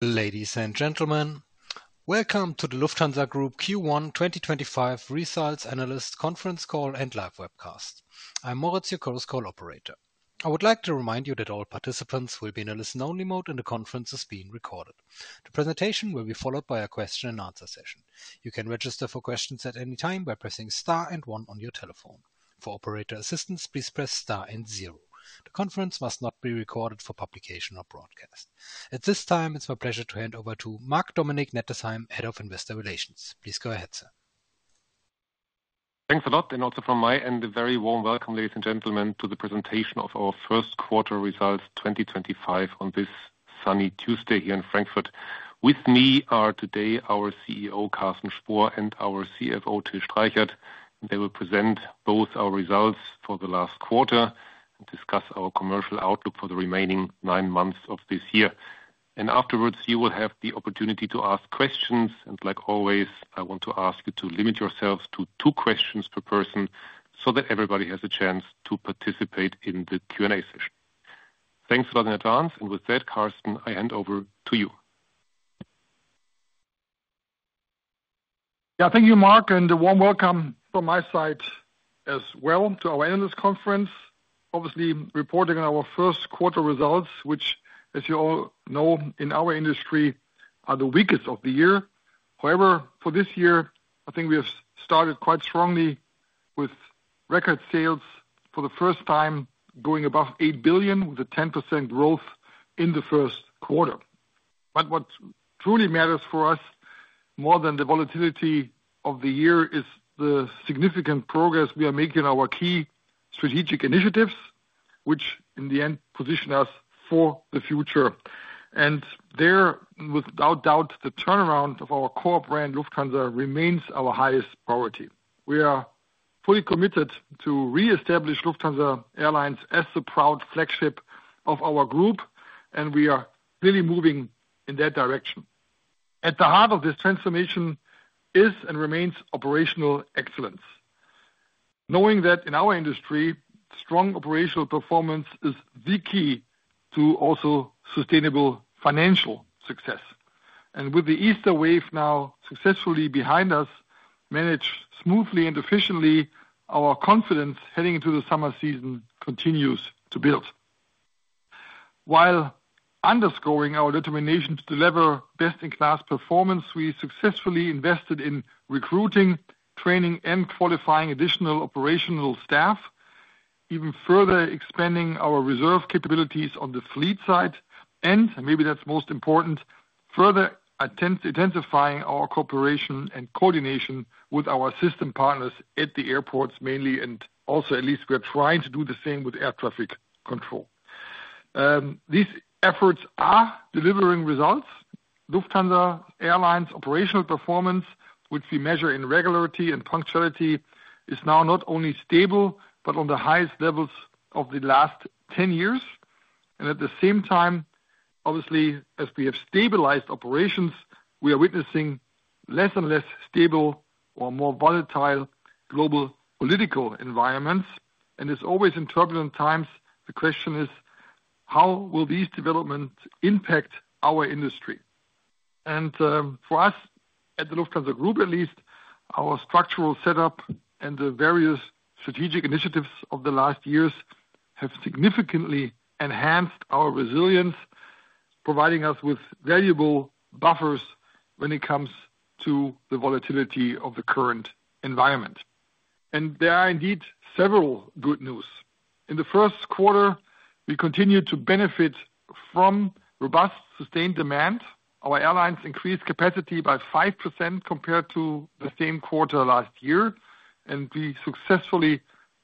Ladies and gentlemen, welcome to the Lufthansa Group Q1 2025 Results Analysts Conference Call and Live Webcast. I'm Moritz, your Chorus Call operator. I would like to remind you that all participants will be in a listen-only mode, and the conference is being recorded. The presentation will be followed by a question-and-answer session. You can register for questions at any time by pressing star and one on your telephone. For operator assistance, please press star and zero. The conference must not be recorded for publication or broadcast. At this time, it's my pleasure to hand over to Marc-Dominic Nettesheim, Head of Investor Relations. Please go ahead, sir. Thanks a lot, and also from my end, a very warm welcome, ladies and gentlemen, to the presentation of our first quarter results 2025 on this sunny Tuesday here in Frankfurt. With me are today our CEO, Carsten Spohr, and our CFO, Till Streichert. They will present both our results for the last quarter and discuss our commercial outlook for the remaining nine months of this year. Afterwards, you will have the opportunity to ask questions. Like always, I want to ask you to limit yourselves to two questions per person so that everybody has a chance to participate in the Q&A session. Thanks a lot in advance. With that, Carsten, I hand over to you. Yeah, thank you, Marc, and a warm welcome from my side as well to our analyst conference. Obviously, reporting on our first quarter results, which, as you all know, in our industry are the weakest of the year. However, for this year, I think we have started quite strongly with record sales for the first time going above 8 billion with a 10% growth in the first quarter. What truly matters for us, more than the volatility of the year, is the significant progress we are making on our key strategic initiatives, which in the end position us for the future. There, without doubt, the turnaround of our core brand, Lufthansa, remains our highest priority. We are fully committed to re-establish Lufthansa Airlines as the proud flagship of our group, and we are clearly moving in that direction. At the heart of this transformation is and remains operational excellence, knowing that in our industry, strong operational performance is the key to also sustainable financial success. With the Easter wave now successfully behind us, managed smoothly and efficiently, our confidence heading into the summer season continues to build. While underscoring our determination to deliver best-in-class performance, we successfully invested in recruiting, training, and qualifying additional operational staff, even further expanding our reserve capabilities on the fleet side. Maybe that's most important, further intensifying our cooperation and coordination with our system partners at the airports mainly, and also at least we are trying to do the same with air traffic control. These efforts are delivering results. Lufthansa Airlines' operational performance, which we measure in regularity and punctuality, is now not only stable but on the highest levels of the last 10 years. At the same time, obviously, as we have stabilized operations, we are witnessing less and less stable or more volatile global political environments. It is always in turbulent times, the question is, how will these developments impact our industry? For us at the Lufthansa Group, at least, our structural setup and the various strategic initiatives of the last years have significantly enhanced our resilience, providing us with valuable buffers when it comes to the volatility of the current environment. There are indeed several good news. In the first quarter, we continue to benefit from robust sustained demand. Our airlines increased capacity by 5% compared to the same quarter last year, and we successfully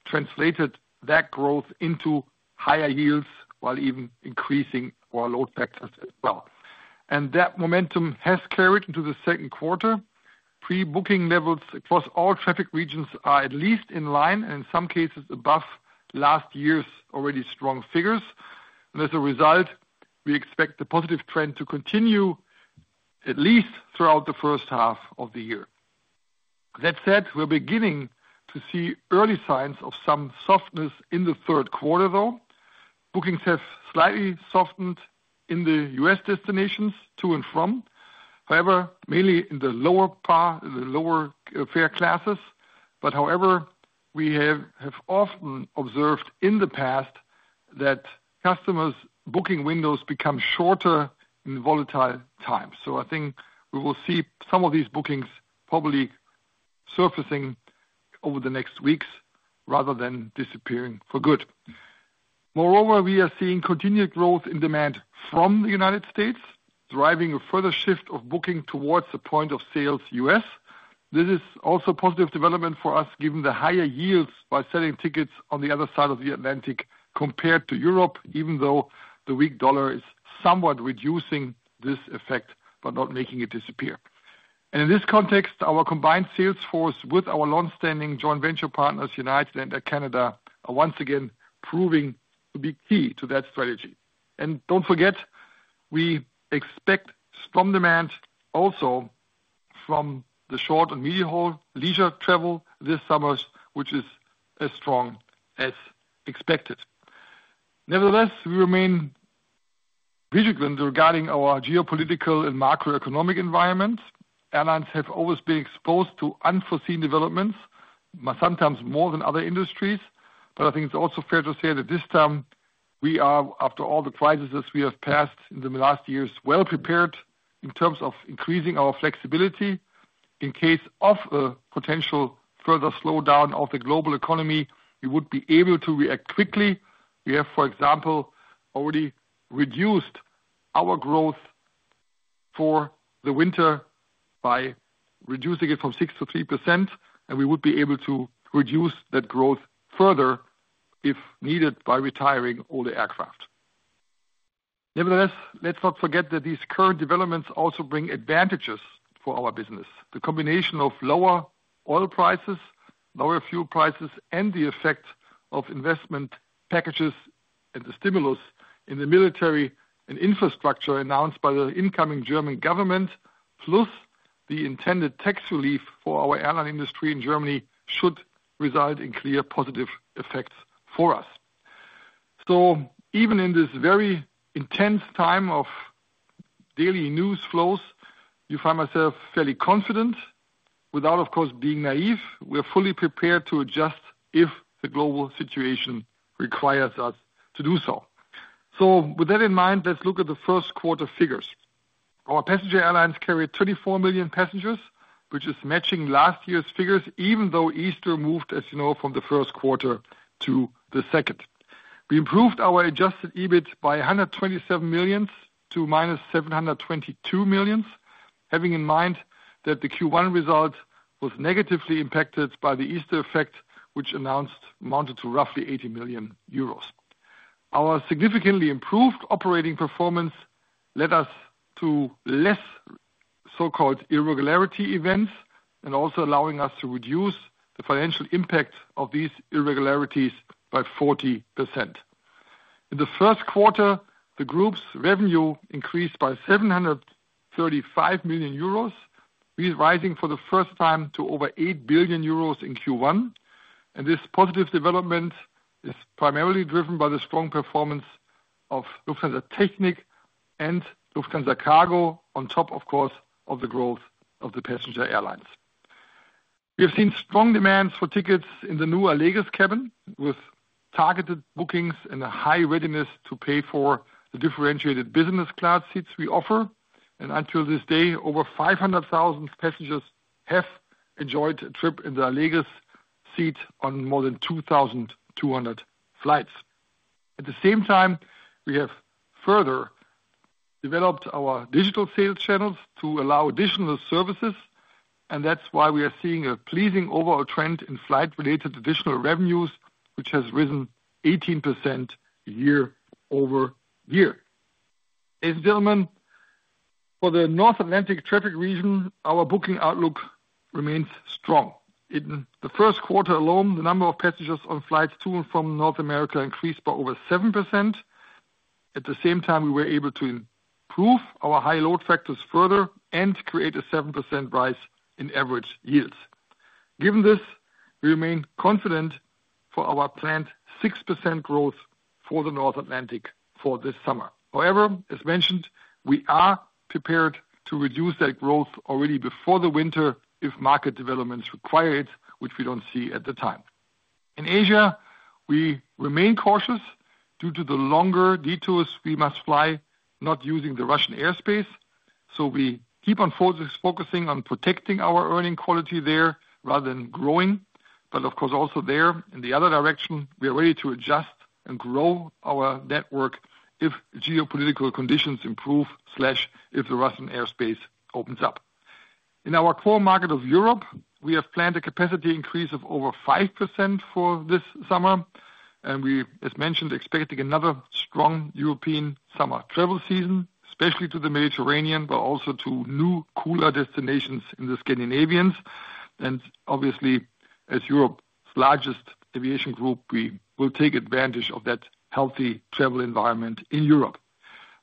translated that growth into higher yields while even increasing our load factors as well. That momentum has carried into the second quarter. Pre-booking levels across all traffic regions are at least in line and in some cases above last year's already strong figures. As a result, we expect the positive trend to continue at least throughout the first half of the year. That said, we're beginning to see early signs of some softness in the third quarter, though. Bookings have slightly softened in the U.S. destinations to and from, however, mainly in the lower fare classes. However, we have often observed in the past that customers' booking windows become shorter in volatile times. I think we will see some of these bookings probably surfacing over the next weeks rather than disappearing for good. Moreover, we are seeing continued growth in demand from the United States, driving a further shift of booking towards the point of sales U.S. This is also a positive development for us, given the higher yields by selling tickets on the other side of the Atlantic compared to Europe, even though the weak dollar is somewhat reducing this effect but not making it disappear. In this context, our combined sales force with our long-standing joint venture partners, United and Air Canada, are once again proving to be key to that strategy. Do not forget, we expect strong demand also from the short and medium-haul leisure travel this summer, which is as strong as expected. Nevertheless, we remain vigilant regarding our geopolitical and macroeconomic environments. Airlines have always been exposed to unforeseen developments, sometimes more than other industries. I think it's also fair to say that this time we are, after all the crises we have passed in the last years, well prepared in terms of increasing our flexibility in case of a potential further slowdown of the global economy. We would be able to react quickly. We have, for example, already reduced our growth for the winter by reducing it from 6% to 3%, and we would be able to reduce that growth further if needed by retiring all the aircraft. Nevertheless, let's not forget that these current developments also bring advantages for our business. The combination of lower oil prices, lower fuel prices, and the effect of investment packages and the stimulus in the military and infrastructure announced by the incoming German government, plus the intended tax relief for our airline industry in Germany, should result in clear positive effects for us. Even in this very intense time of daily news flows, you find myself fairly confident, without, of course, being naive. We are fully prepared to adjust if the global situation requires us to do so. With that in mind, let's look at the first quarter figures. Our passenger airlines carried 34 million passengers, which is matching last year's figures, even though Easter moved, as you know, from the first quarter to the second. We improved our adjusted EBIT by 127 million to -722 million, having in mind that the Q1 result was negatively impacted by the Easter effect, which amounted to roughly 80 million euros. Our significantly improved operating performance led us to less so-called irregularity events and also allowing us to reduce the financial impact of these irregularities by 40%. In the first quarter, the group's revenue increased by 735 million euros, rising for the first time to over 8 billion euros in Q1. This positive development is primarily driven by the strong performance of Lufthansa Technik and Lufthansa Cargo, on top, of course, of the growth of the passenger airlines. We have seen strong demands for tickets in the new Allegris cabin, with targeted bookings and a high readiness to pay for the differentiated Business Class seats we offer. Until this day, over 500,000 passengers have enjoyed a trip in the Allegris seat on more than 2,200 flights. At the same time, we have further developed our digital sales channels to allow additional services, and that's why we are seeing a pleasing overall trend in flight-related additional revenues, which has risen 18% year-over-year. Ladies and gentlemen, for the North Atlantic traffic region, our booking outlook remains strong. In the first quarter alone, the number of passengers on flights to and from North America increased by over 7%. At the same time, we were able to improve our high load factors further and create a 7% rise in average yields. Given this, we remain confident for our planned 6% growth for the North Atlantic for this summer. However, as mentioned, we are prepared to reduce that growth already before the winter if market developments require it, which we don't see at the time. In Asia, we remain cautious due to the longer detours we must fly, not using the Russian airspace. We keep on focusing on protecting our earning quality there rather than growing. Of course, also there, in the other direction, we are ready to adjust and grow our network if geopolitical conditions improve or if the Russian airspace opens up. In our core market of Europe, we have planned a capacity increase of over 5% for this summer. We, as mentioned, expect another strong European summer travel season, especially to the Mediterranean, but also to new, cooler destinations in Scandinavia. Obviously, as Europe's largest aviation group, we will take advantage of that healthy travel environment in Europe.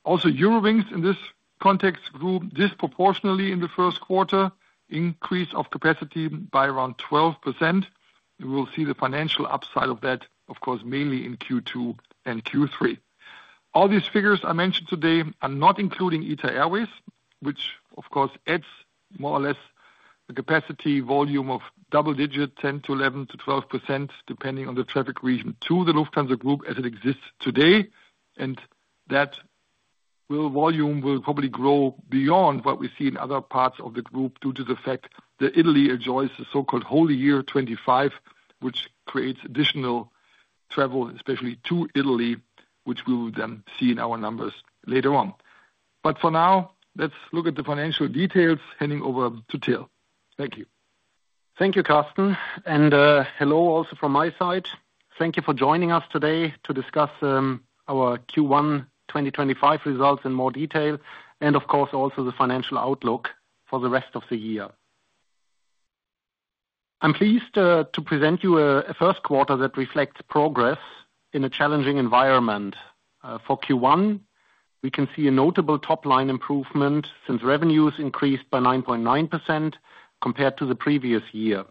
Also, Eurowings in this context grew disproportionately in the first quarter, increased capacity by around 12%. We will see the financial upside of that, of course, mainly in Q2 and Q3. All these figures I mentioned today are not including ITA Airways, which, of course, adds more or less the capacity volume of double-digit 10%-11%-12%, depending on the traffic region to the Lufthansa Group as it exists today. That volume will probably grow beyond what we see in other parts of the group due to the fact that Italy enjoys the so-called Holy Year 2025, which creates additional travel, especially to Italy, which we will then see in our numbers later on. For now, let's look at the financial details. Handing over to Till. Thank you. Thank you, Carsten. Hello also from my side. Thank you for joining us today to discuss our Q1 2025 results in more detail and, of course, also the financial outlook for the rest of the year. I'm pleased to present you a first quarter that reflects progress in a challenging environment. For Q1, we can see a notable top-line improvement since revenues increased by 9.9% compared to the previous year.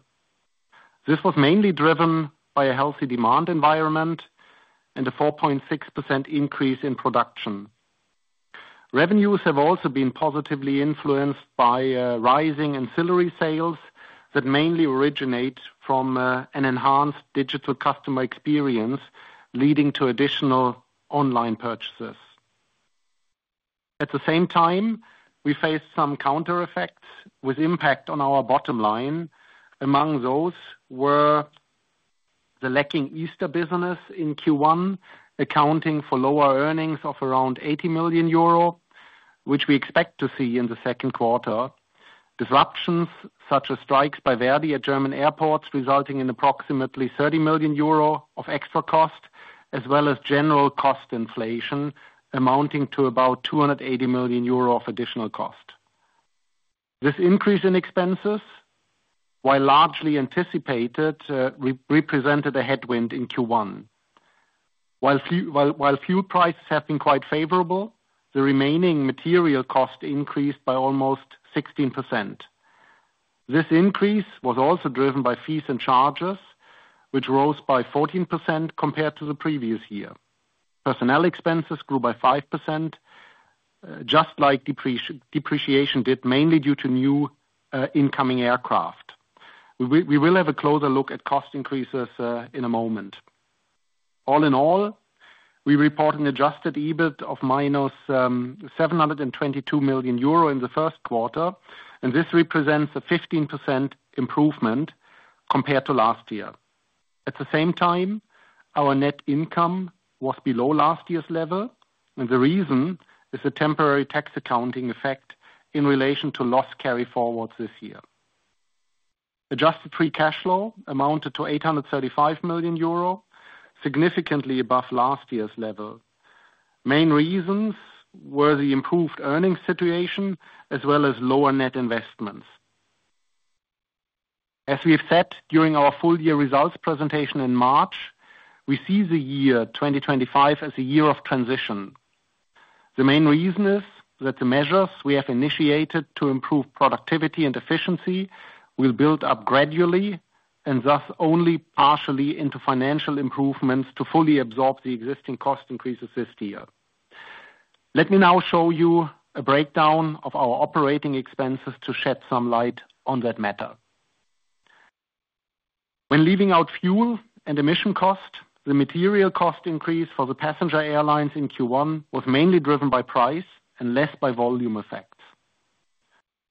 This was mainly driven by a healthy demand environment and a 4.6% increase in production. Revenues have also been positively influenced by rising ancillary sales that mainly originate from an enhanced digital customer experience, leading to additional online purchases. At the same time, we faced some counter effects with impact on our bottom line. Among those were the lacking Easter business in Q1, accounting for lower earnings of around 80 million euro, which we expect to see in the second quarter. Disruptions such as strikes by Verdi at German airports resulting in approximately 30 million euro of extra cost, as well as general cost inflation amounting to about 280 million euro of additional cost. This increase in expenses, while largely anticipated, represented a headwind in Q1. While fuel prices have been quite favorable, the remaining material cost increased by almost 16%. This increase was also driven by fees and charges, which rose by 14% compared to the previous year. Personnel expenses grew by 5%, just like depreciation did, mainly due to new incoming aircraft. We will have a closer look at cost increases in a moment. All in all, we report an adjusted EBIT of -722 million euro in the first quarter, and this represents a 15% improvement compared to last year. At the same time, our net income was below last year's level, and the reason is the temporary tax accounting effect in relation to loss carry forwards this year. Adjusted free cash flow amounted to 835 million euro, significantly above last year's level. Main reasons were the improved earnings situation as well as lower net investments. As we have said during our full-year results presentation in March, we see the year 2025 as a year of transition. The main reason is that the measures we have initiated to improve productivity and efficiency will build up gradually and thus only partially into financial improvements to fully absorb the existing cost increases this year. Let me now show you a breakdown of our operating expenses to shed some light on that matter. When leaving out fuel and emission cost, the material cost increase for the passenger airlines in Q1 was mainly driven by price and less by volume effects.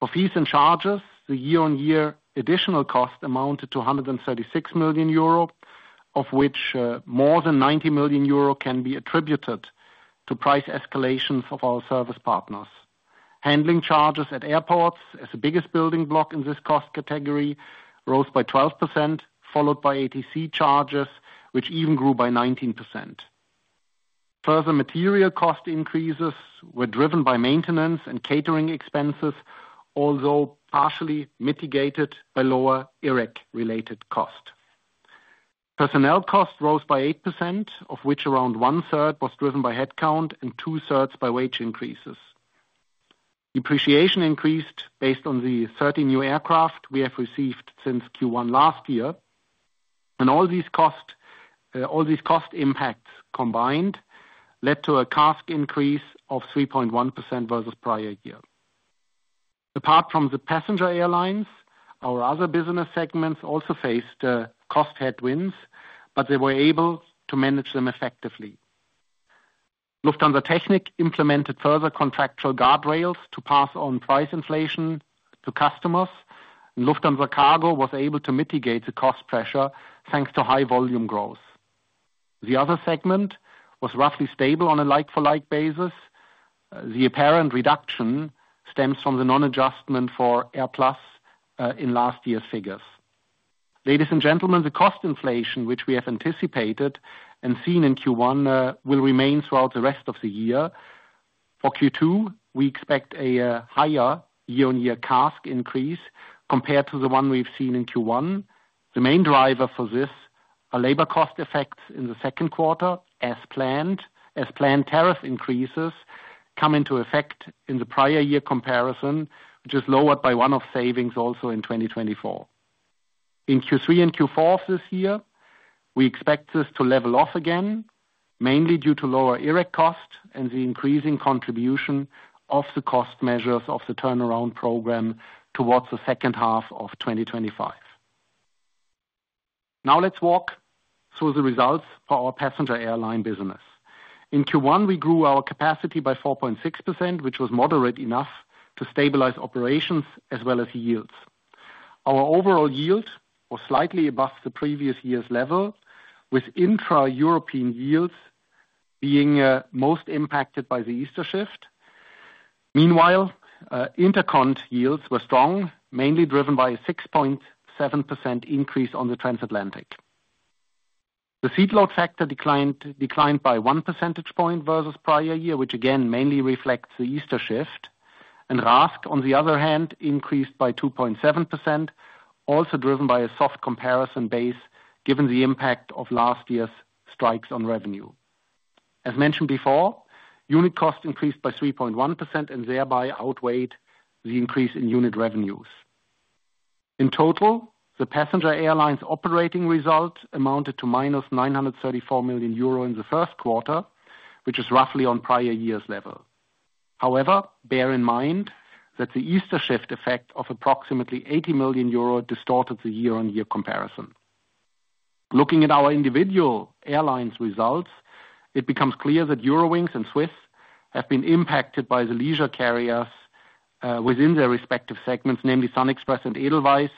For fees and charges, the year-on-year additional cost amounted to 136 million euro, of which more than 90 million euro can be attributed to price escalations of our service partners. Handling charges at airports, as the biggest building block in this cost category, rose by 12%, followed by ATC charges, which even grew by 19%. Further material cost increases were driven by maintenance and catering expenses, although partially mitigated by lower irreg-related cost. Personnel cost rose by 8%, of which around one-third was driven by headcount and two-thirds by wage increases. Depreciation increased based on the 30 new aircraft we have received since Q1 last year. All these cost impacts combined led to a CASK increase of 3.1% versus prior year. Apart from the passenger airlines, our other business segments also faced cost headwinds, but they were able to manage them effectively. Lufthansa Technik implemented further contractual guardrails to pass on price inflation to customers, and Lufthansa Cargo was able to mitigate the cost pressure thanks to high volume growth. The other segment was roughly stable on a like-for-like basis. The apparent reduction stems from the non-adjustment for AirPlus in last year's figures. Ladies and gentlemen, the cost inflation, which we have anticipated and seen in Q1, will remain throughout the rest of the year. For Q2, we expect a higher year-on-year CASK increase compared to the one we've seen in Q1. The main driver for this are labor cost effects in the second quarter, as planned tariff increases come into effect in the prior year comparison, which is lowered by one-off savings also in 2024. In Q3 and Q4 of this year, we expect this to level off again, mainly due to lower IRREG cost and the increasing contribution of the cost measures of the turnaround program towards the second half of 2025. Now let's walk through the results for our passenger airline business. In Q1, we grew our capacity by 4.6%, which was moderate enough to stabilize operations as well as yields. Our overall yield was slightly above the previous year's level, with intra-European yields being most impacted by the Easter shift. Meanwhile, intercon yields were strong, mainly driven by a 6.7% increase on the transatlantic. The seat load factor declined by one percentage point versus prior year, which again mainly reflects the Easter shift. RASK, on the other hand, increased by 2.7%, also driven by a soft comparison base given the impact of last year's strikes on revenue. As mentioned before, unit cost increased by 3.1% and thereby outweighed the increase in unit revenues. In total, the passenger airlines' operating result amounted to -934 million euro in the first quarter, which is roughly on prior year's level. However, bear in mind that the Easter shift effect of approximately 80 million euro distorted the year-on-year comparison. Looking at our individual airlines' results, it becomes clear that Eurowings and SWISS have been impacted by the leisure carriers within their respective segments, namely SunExpress and Edelweiss,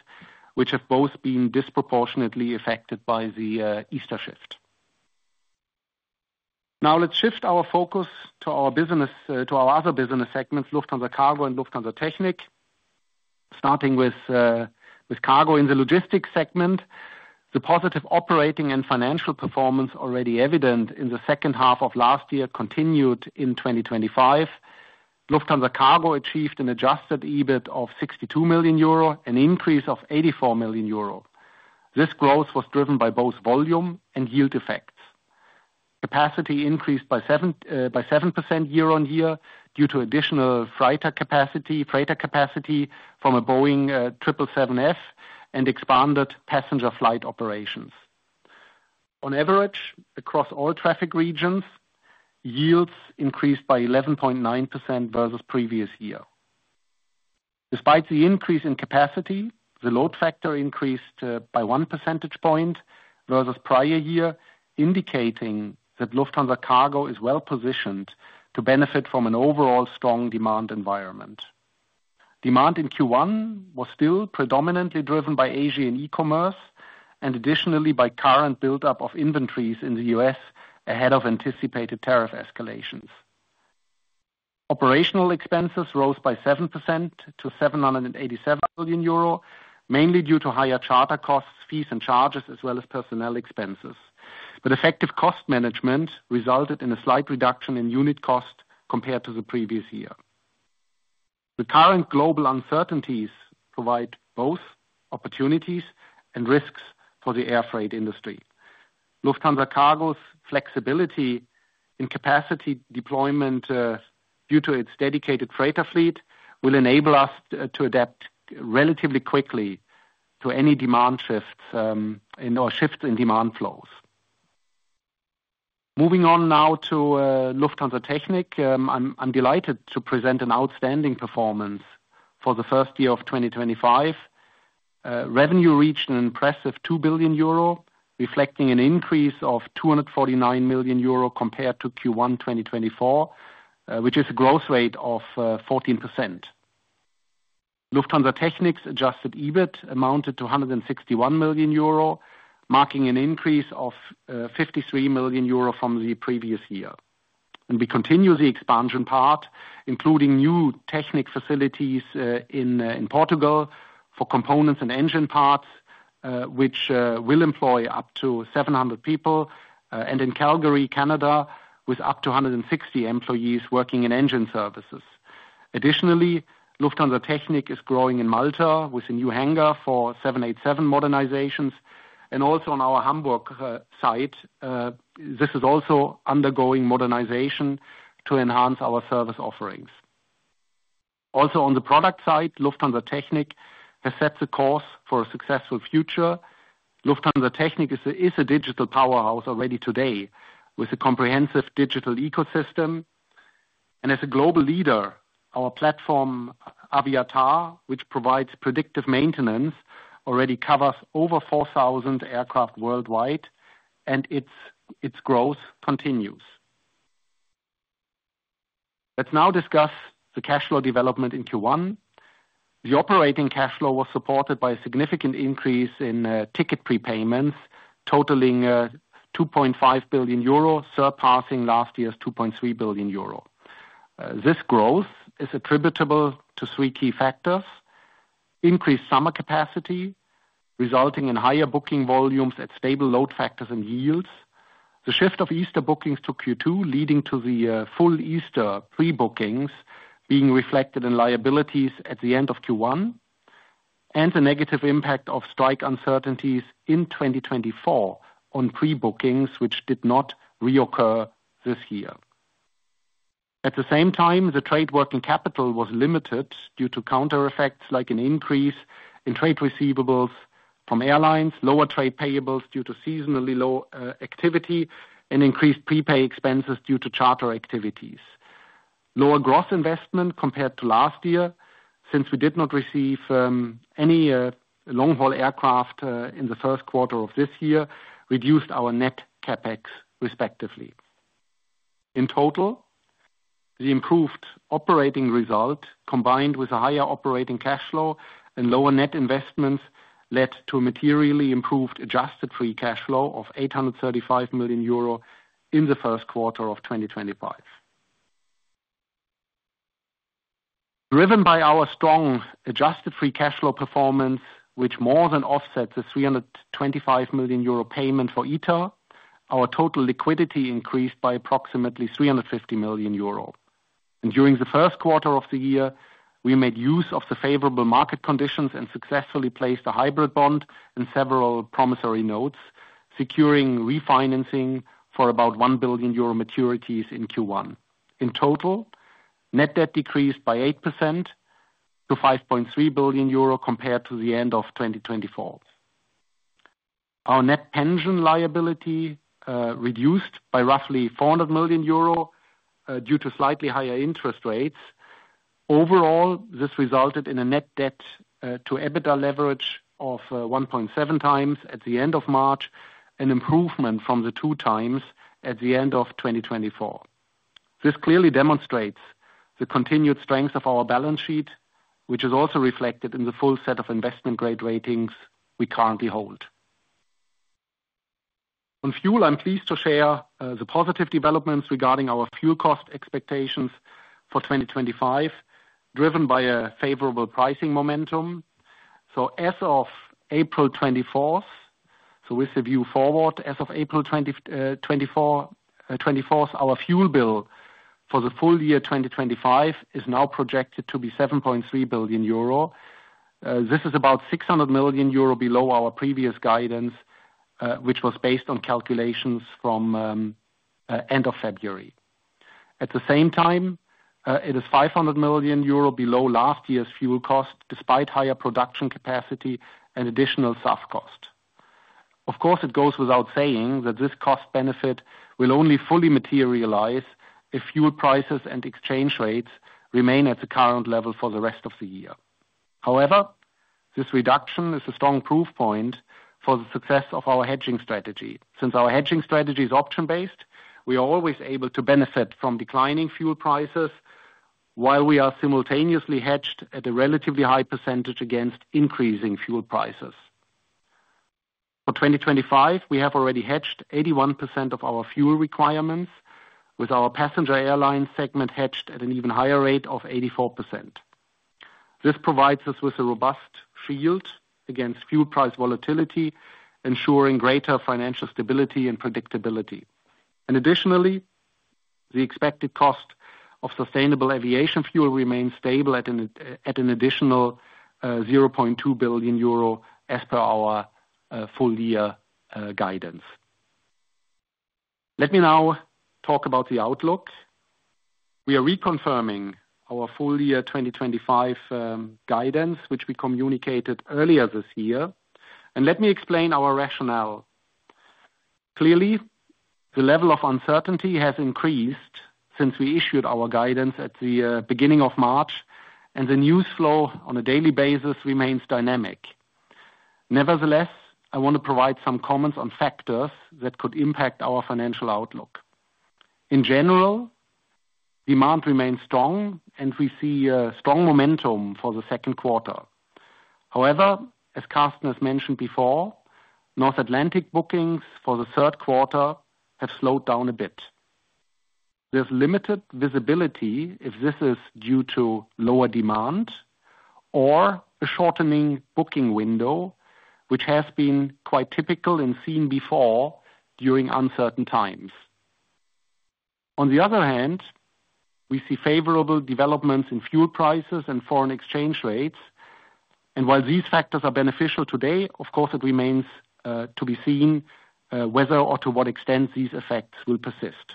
which have both been disproportionately affected by the Easter shift. Now let's shift our focus to our other business segments, Lufthansa Cargo and Lufthansa Technik. Starting with Cargo in the logistics segment, the positive operating and financial performance already evident in the second half of last year continued in 2025. Lufthansa Cargo achieved an adjusted EBIT of 62 million euro, an increase of 84 million euro. This growth was driven by both volume and yield effects. Capacity increased by 7% year-on-year due to additional freighter capacity from a Boeing 777F and expanded passenger flight operations. On average, across all traffic regions, yields increased by 11.9% versus previous year. Despite the increase in capacity, the load factor increased by one percentage point versus prior year, indicating that Lufthansa Cargo is well positioned to benefit from an overall strong demand environment. Demand in Q1 was still predominantly driven by Asian e-commerce and additionally by current buildup of inventories in the U.S. ahead of anticipated tariff escalations. Operational expenses rose by 7% to 787 million euro, mainly due to higher charter costs, fees, and charges, as well as personnel expenses. Effective cost management resulted in a slight reduction in unit cost compared to the previous year. The current global uncertainties provide both opportunities and risks for the air freight industry. Lufthansa Cargo's flexibility in capacity deployment due to its dedicated freighter fleet will enable us to adapt relatively quickly to any demand shifts or shifts in demand flows. Moving on now to Lufthansa Technik, I am delighted to present an outstanding performance for the first year of 2025. Revenue reached an impressive 2 billion euro, reflecting an increase of 249 million euro compared to Q1 2024, which is a growth rate of 14%. Lufthansa Technik's adjusted EBIT amounted to 161 million euro, marking an increase of 53 million euro from the previous year. We continue the expansion part, including new Technik facilities in Portugal for components and engine parts, which will employ up to 700 people, and in Calgary, Canada, with up to 160 employees working in engine services. Additionally, Lufthansa Technik is growing in Malta with a new hangar for 787 modernizations. Also on our Hamburg site, this is also undergoing modernization to enhance our service offerings. Also on the product side, Lufthansa Technik has set the course for a successful future. Lufthansa Technik is a digital powerhouse already today with a comprehensive digital ecosystem. As a global leader, our platform, AVIATAR, which provides predictive maintenance, already covers over 4,000 aircraft worldwide, and its growth continues. Let's now discuss the cash flow development in Q1. The operating cash flow was supported by a significant increase in ticket prepayments, totaling 2.5 billion euro, surpassing last year's 2.3 billion euro. This growth is attributable to three key factors: increased summer capacity, resulting in higher booking volumes at stable load factors and yields; the shift of Easter bookings to Q2, leading to the full Easter pre-bookings being reflected in liabilities at the end of Q1; and the negative impact of strike uncertainties in 2024 on pre-bookings, which did not reoccur this year. At the same time, the trade working capital was limited due to counter effects like an increase in trade receivables from airlines, lower trade payables due to seasonally low activity, and increased prepaid expenses due to charter activities. Lower gross investment compared to last year, since we did not receive any long-haul aircraft in the first quarter of this year, reduced our net CapEx, respectively. In total, the improved operating result, combined with a higher operating cash flow and lower net investments, led to a materially improved adjusted free cash flow of 835 million euro in the first quarter of 2025. Driven by our strong adjusted free cash flow performance, which more than offsets the 325 million euro payment for ITA, our total liquidity increased by approximately 350 million euro. During the first quarter of the year, we made use of the favorable market conditions and successfully placed a hybrid bond and several promissory notes, securing refinancing for about 1 billion euro maturities in Q1. In total, net debt decreased by 8% to 5.3 billion euro compared to the end of 2024. Our net pension liability reduced by roughly 400 million euro due to slightly higher interest rates. Overall, this resulted in a net debt to EBITDA leverage of 1.7x at the end of March, an improvement from the two times at the end of 2024. This clearly demonstrates the continued strength of our balance sheet, which is also reflected in the full set of investment-grade ratings we currently hold. On fuel, I am pleased to share the positive developments regarding our fuel cost expectations for 2025, driven by a favorable pricing momentum. As of April 24, with the view forward, as of April 24, our fuel bill for the full year 2025 is now projected to be 7.3 billion euro. This is about 600 million euro below our previous guidance, which was based on calculations from end of February. At the same time, it is 500 million euro below last year's fuel cost, despite higher production capacity and additional soft cost. Of course, it goes without saying that this cost benefit will only fully materialize if fuel prices and exchange rates remain at the current level for the rest of the year. However, this reduction is a strong proof point for the success of our hedging strategy. Since our hedging strategy is option-based, we are always able to benefit from declining fuel prices while we are simultaneously hedged at a relatively high percentage against increasing fuel prices. For 2025, we have already hedged 81% of our fuel requirements, with our passenger airline segment hedged at an even higher rate of 84%. This provides us with a robust field against fuel price volatility, ensuring greater financial stability and predictability. Additionally, the expected cost of sustainable aviation fuel remains stable at an additional 0.2 billion euro as per our full year guidance. Let me now talk about the outlook. We are reconfirming our full year 2025 guidance, which we communicated earlier this year. Let me explain our rationale. Clearly, the level of uncertainty has increased since we issued our guidance at the beginning of March, and the news flow on a daily basis remains dynamic. Nevertheless, I want to provide some comments on factors that could impact our financial outlook. In general, demand remains strong, and we see a strong momentum for the second quarter. However, as Carsten has mentioned before, North Atlantic bookings for the third quarter have slowed down a bit. There's limited visibility if this is due to lower demand or a shortening booking window, which has been quite typical and seen before during uncertain times. On the other hand, we see favorable developments in fuel prices and foreign exchange rates. While these factors are beneficial today, of course, it remains to be seen whether or to what extent these effects will persist.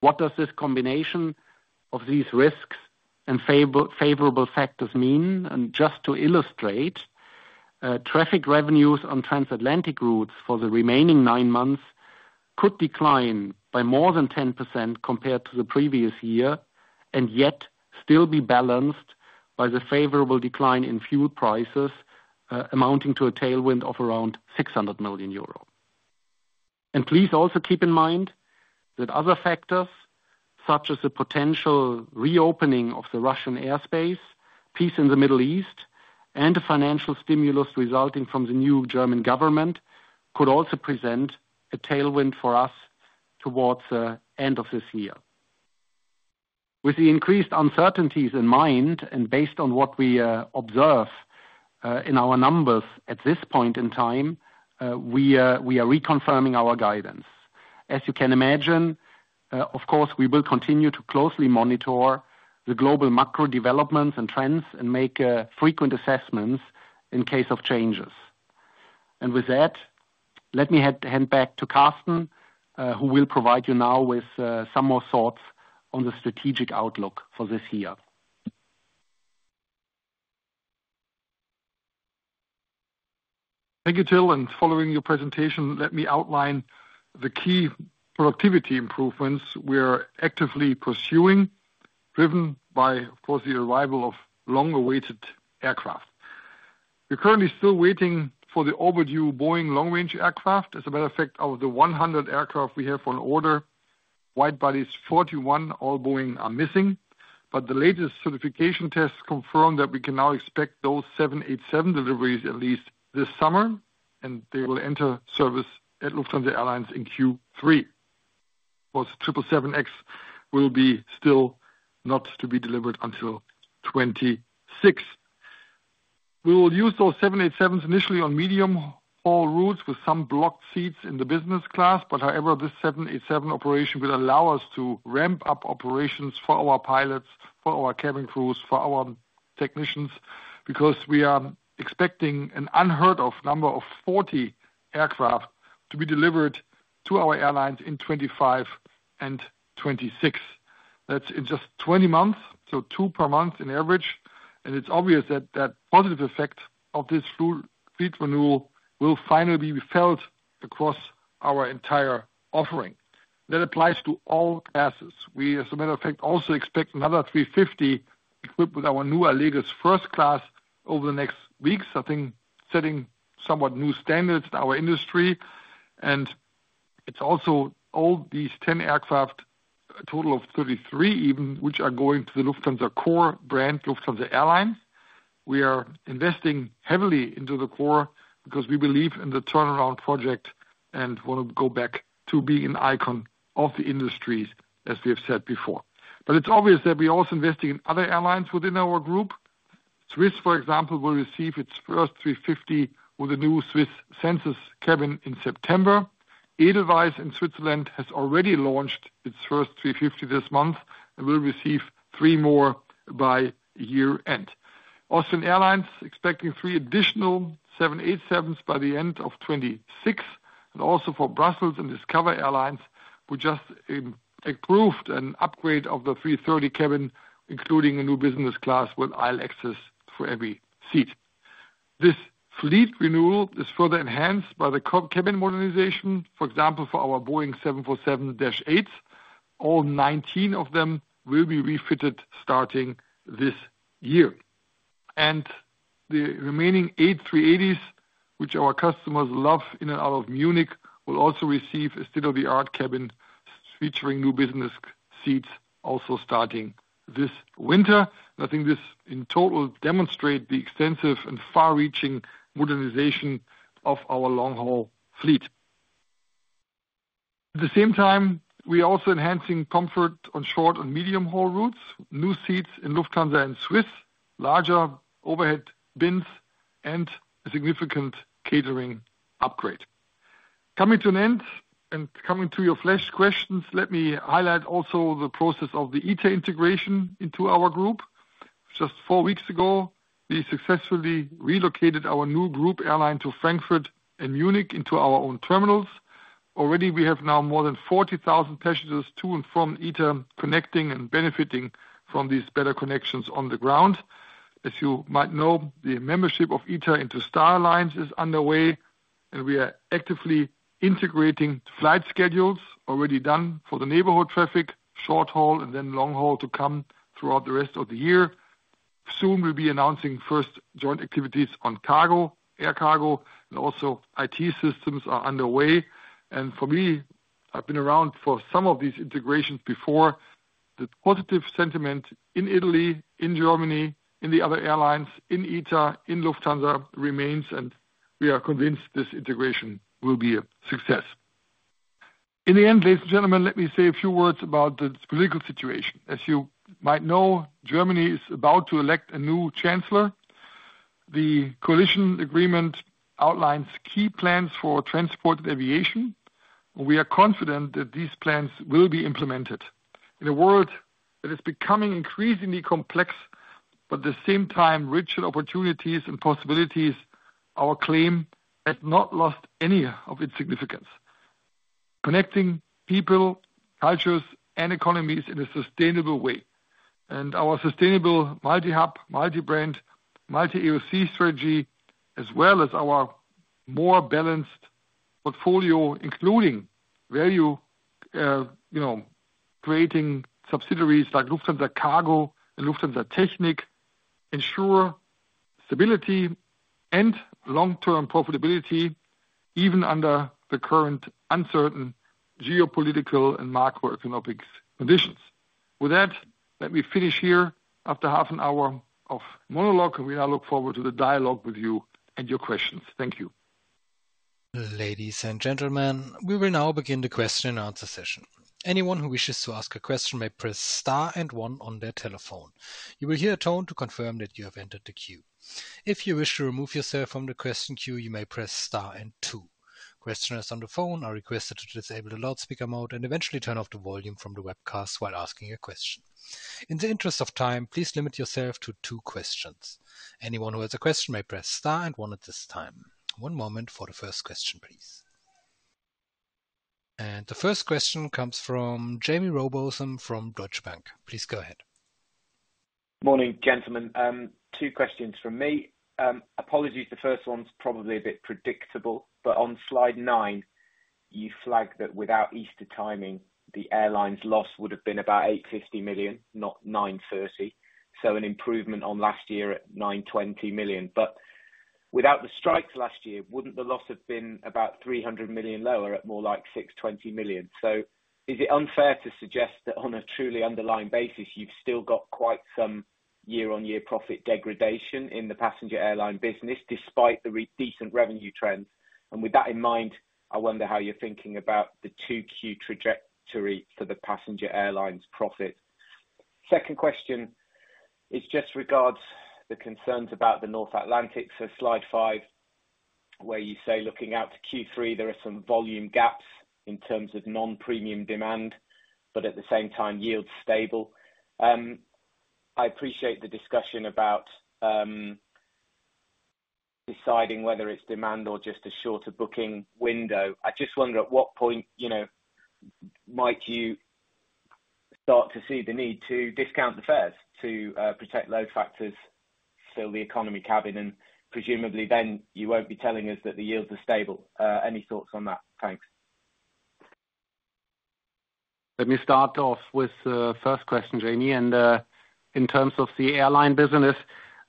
What does this combination of these risks and favorable factors mean? Just to illustrate, traffic revenues on transatlantic routes for the remaining nine months could decline by more than 10% compared to the previous year, and yet still be balanced by the favorable decline in fuel prices amounting to a tailwind of around 600 million euro. Please also keep in mind that other factors, such as the potential reopening of the Russian airspace, peace in the Middle East, and a financial stimulus resulting from the new German government, could also present a tailwind for us towards the end of this year. With the increased uncertainties in mind and based on what we observe in our numbers at this point in time, we are reconfirming our guidance. As you can imagine, of course, we will continue to closely monitor the global macro developments and trends and make frequent assessments in case of changes. With that, let me hand back to Carsten, who will provide you now with some more thoughts on the strategic outlook for this year. Thank you, Till. Following your presentation, let me outline the key productivity improvements we are actively pursuing, driven by, of course, the arrival of long-awaited aircraft. We're currently still waiting for the overdue Boeing long-range aircraft. As a matter of fact, of the 100 aircraft we have for an order, wide-bodies, 41 all Boeing are missing. The latest certification tests confirm that we can now expect those 787 deliveries at least this summer, and they will enter service at Lufthansa Airlines in Q3. Of course, 777X will be still not to be delivered until 2026. We will use those 787s initially on medium-haul routes with some blocked seats in the Business Class. However, this 787 operation will allow us to ramp up operations for our pilots, for our cabin crews, for our technicians, because we are expecting an unheard-of number of 40 aircraft to be delivered to our airlines in 2025 and 2026. That's in just 20 months, so two per month in average. It is obvious that that positive effect of this fleet renewal will finally be felt across our entire offering. That applies to all classes. We, as a matter of fact, also expect another 350 equipped with our new Allegris first class over the next weeks, I think setting somewhat new standards in our industry. It is also all these 10 aircraft, a total of 33 even, which are going to the Lufthansa core brand, Lufthansa Airlines. We are investing heavily into the core because we believe in the turnaround project and want to go back to being an icon of the industries, as we have said before. It is obvious that we are also investing in other airlines within our group. SWISS, for example, will receive its first 350 with a new SWISS Senses cabin in September. Edelweiss in Switzerland has already launched its first 350 this month and will receive three more by year-end. Austrian Airlines is expecting three additional 787s by the end of 2026. Also, for Brussels and Discover Airlines, we just approved an upgrade of the 330 cabin, including a new Business Class with aisle access for every seat. This fleet renewal is further enhanced by the cabin modernization. For example, for our Boeing 747-8s, all 19 of them will be refitted starting this year. The remaining eight 380s, which our customers love in and out of Munich, will also receive a state-of-the-art cabin featuring new business seats starting this winter. I think this in total demonstrates the extensive and far-reaching modernization of our long-haul fleet. At the same time, we are also enhancing comfort on short and medium-haul routes, new seats in Lufthansa and SWISS, larger overhead bins, and a significant catering upgrade. Coming to an end and coming to your flash questions, let me highlight also the process of the ITA integration into our group. Just four weeks ago, we successfully relocated our new group airline to Frankfurt and Munich into our own terminals. Already, we have now more than 40,000 passengers to and from ITA connecting and benefiting from these better connections on the ground. As you might know, the membership of ITA into Star Alliance is underway, and we are actively integrating flight schedules already done for the neighborhood traffic, short-haul, and then long-haul to come throughout the rest of the year. Soon, we'll be announcing first joint activities on cargo, air cargo, and also IT systems are underway. For me, I've been around for some of these integrations before. The positive sentiment in Italy, in Germany, in the other airlines, in ITA, in Lufthansa remains, and we are convinced this integration will be a success. In the end, ladies and gentlemen, let me say a few words about the political situation. As you might know, Germany is about to elect a new chancellor. The coalition agreement outlines key plans for transport and aviation, and we are confident that these plans will be implemented. In a world that is becoming increasingly complex, but at the same time rich in opportunities and possibilities, our claim has not lost any of its significance. Connecting people, cultures, and economies in a sustainable way. Our sustainable multi-hub, multi-brand, multi-AOC strategy, as well as our more balanced portfolio, including value-creating subsidiaries like Lufthansa Cargo and Lufthansa Technik, ensure stability and long-term profitability even under the current uncertain geopolitical and macroeconomic conditions. With that, let me finish here. After half an hour of monologue, we now look forward to the dialogue with you and your questions. Thank you. Ladies and gentlemen, we will now begin the question-and-answer session. Anyone who wishes to ask a question may press star and one on their telephone. You will hear a tone to confirm that you have entered the queue. If you wish to remove yourself from the question queue, you may press star and two. Questioners on the phone are requested to disable the loudspeaker mode and eventually turn off the volume from the webcast while asking a question. In the interest of time, please limit yourself to two questions. Anyone who has a question may press star and one at this time. One moment for the first question, please. The first question comes from Jaime Rowbotham from Deutsche Bank. Please go ahead. Morning, gentlemen. Two questions from me. Apologies, the first one's probably a bit predictable, but on slide nine, you flagged that without Easter timing, the airline's loss would have been about 850 million, not 930 million. So an improvement on last year at 920 million. Without the strikes last year, would not the loss have been about 300 million lower at more like 620 million? Is it unfair to suggest that on a truly underlying basis, you have still got quite some year-on-year profit degradation in the passenger airline business despite the decent revenue trends? With that in mind, I wonder how you're thinking about the 2Q trajectory for the passenger airlines' profit. Second question is just regards the concerns about the North Atlantic. Slide five, where you say looking out to Q3, there are some volume gaps in terms of non-premium demand, but at the same time, yields stable. I appreciate the discussion about deciding whether it's demand or just a shorter booking window. I just wonder at what point might you start to see the need to discount the fares to protect load factors, fill the economy cabin, and presumably then you won't be telling us that the yields are stable. Any thoughts on that? Thanks. Let me start off with the first question, Jaime. In terms of the airline business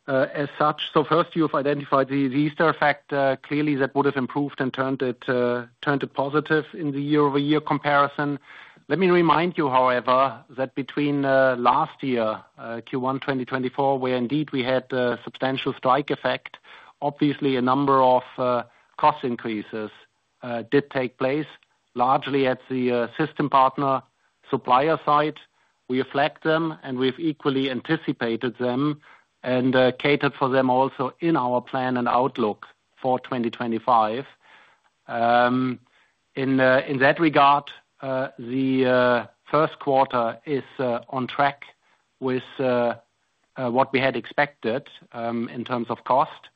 as such, first, you've identified the Easter effect. Clearly, that would have improved and turned it positive in the year-over-year comparison. Let me remind you, however, that between last year, Q1 2024, where indeed we had a substantial strike effect, obviously a number of cost increases did take place, largely at the system partner supplier side. We have flagged them, and we've equally anticipated them and catered for them also in our plan and outlook for 2025. In that regard, the first quarter is on track with what we had expected in terms of cost.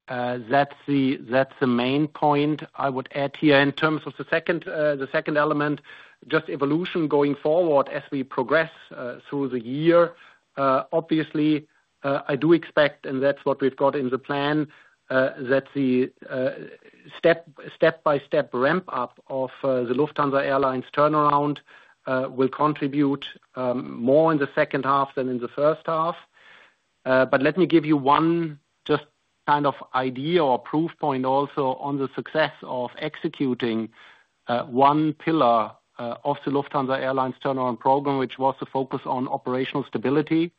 That's the main point I would add here. In terms of the second element, just evolution going forward as we progress through the year. Obviously, I do expect, and that's what we've got in the plan, that the step-by-step ramp-up of the Lufthansa Airlines turnaround will contribute more in the second half than in the first half. Let me give you one just kind of idea or proof point also on the success of executing one pillar of the Lufthansa Airlines turnaround program, which was the focus on operational stability.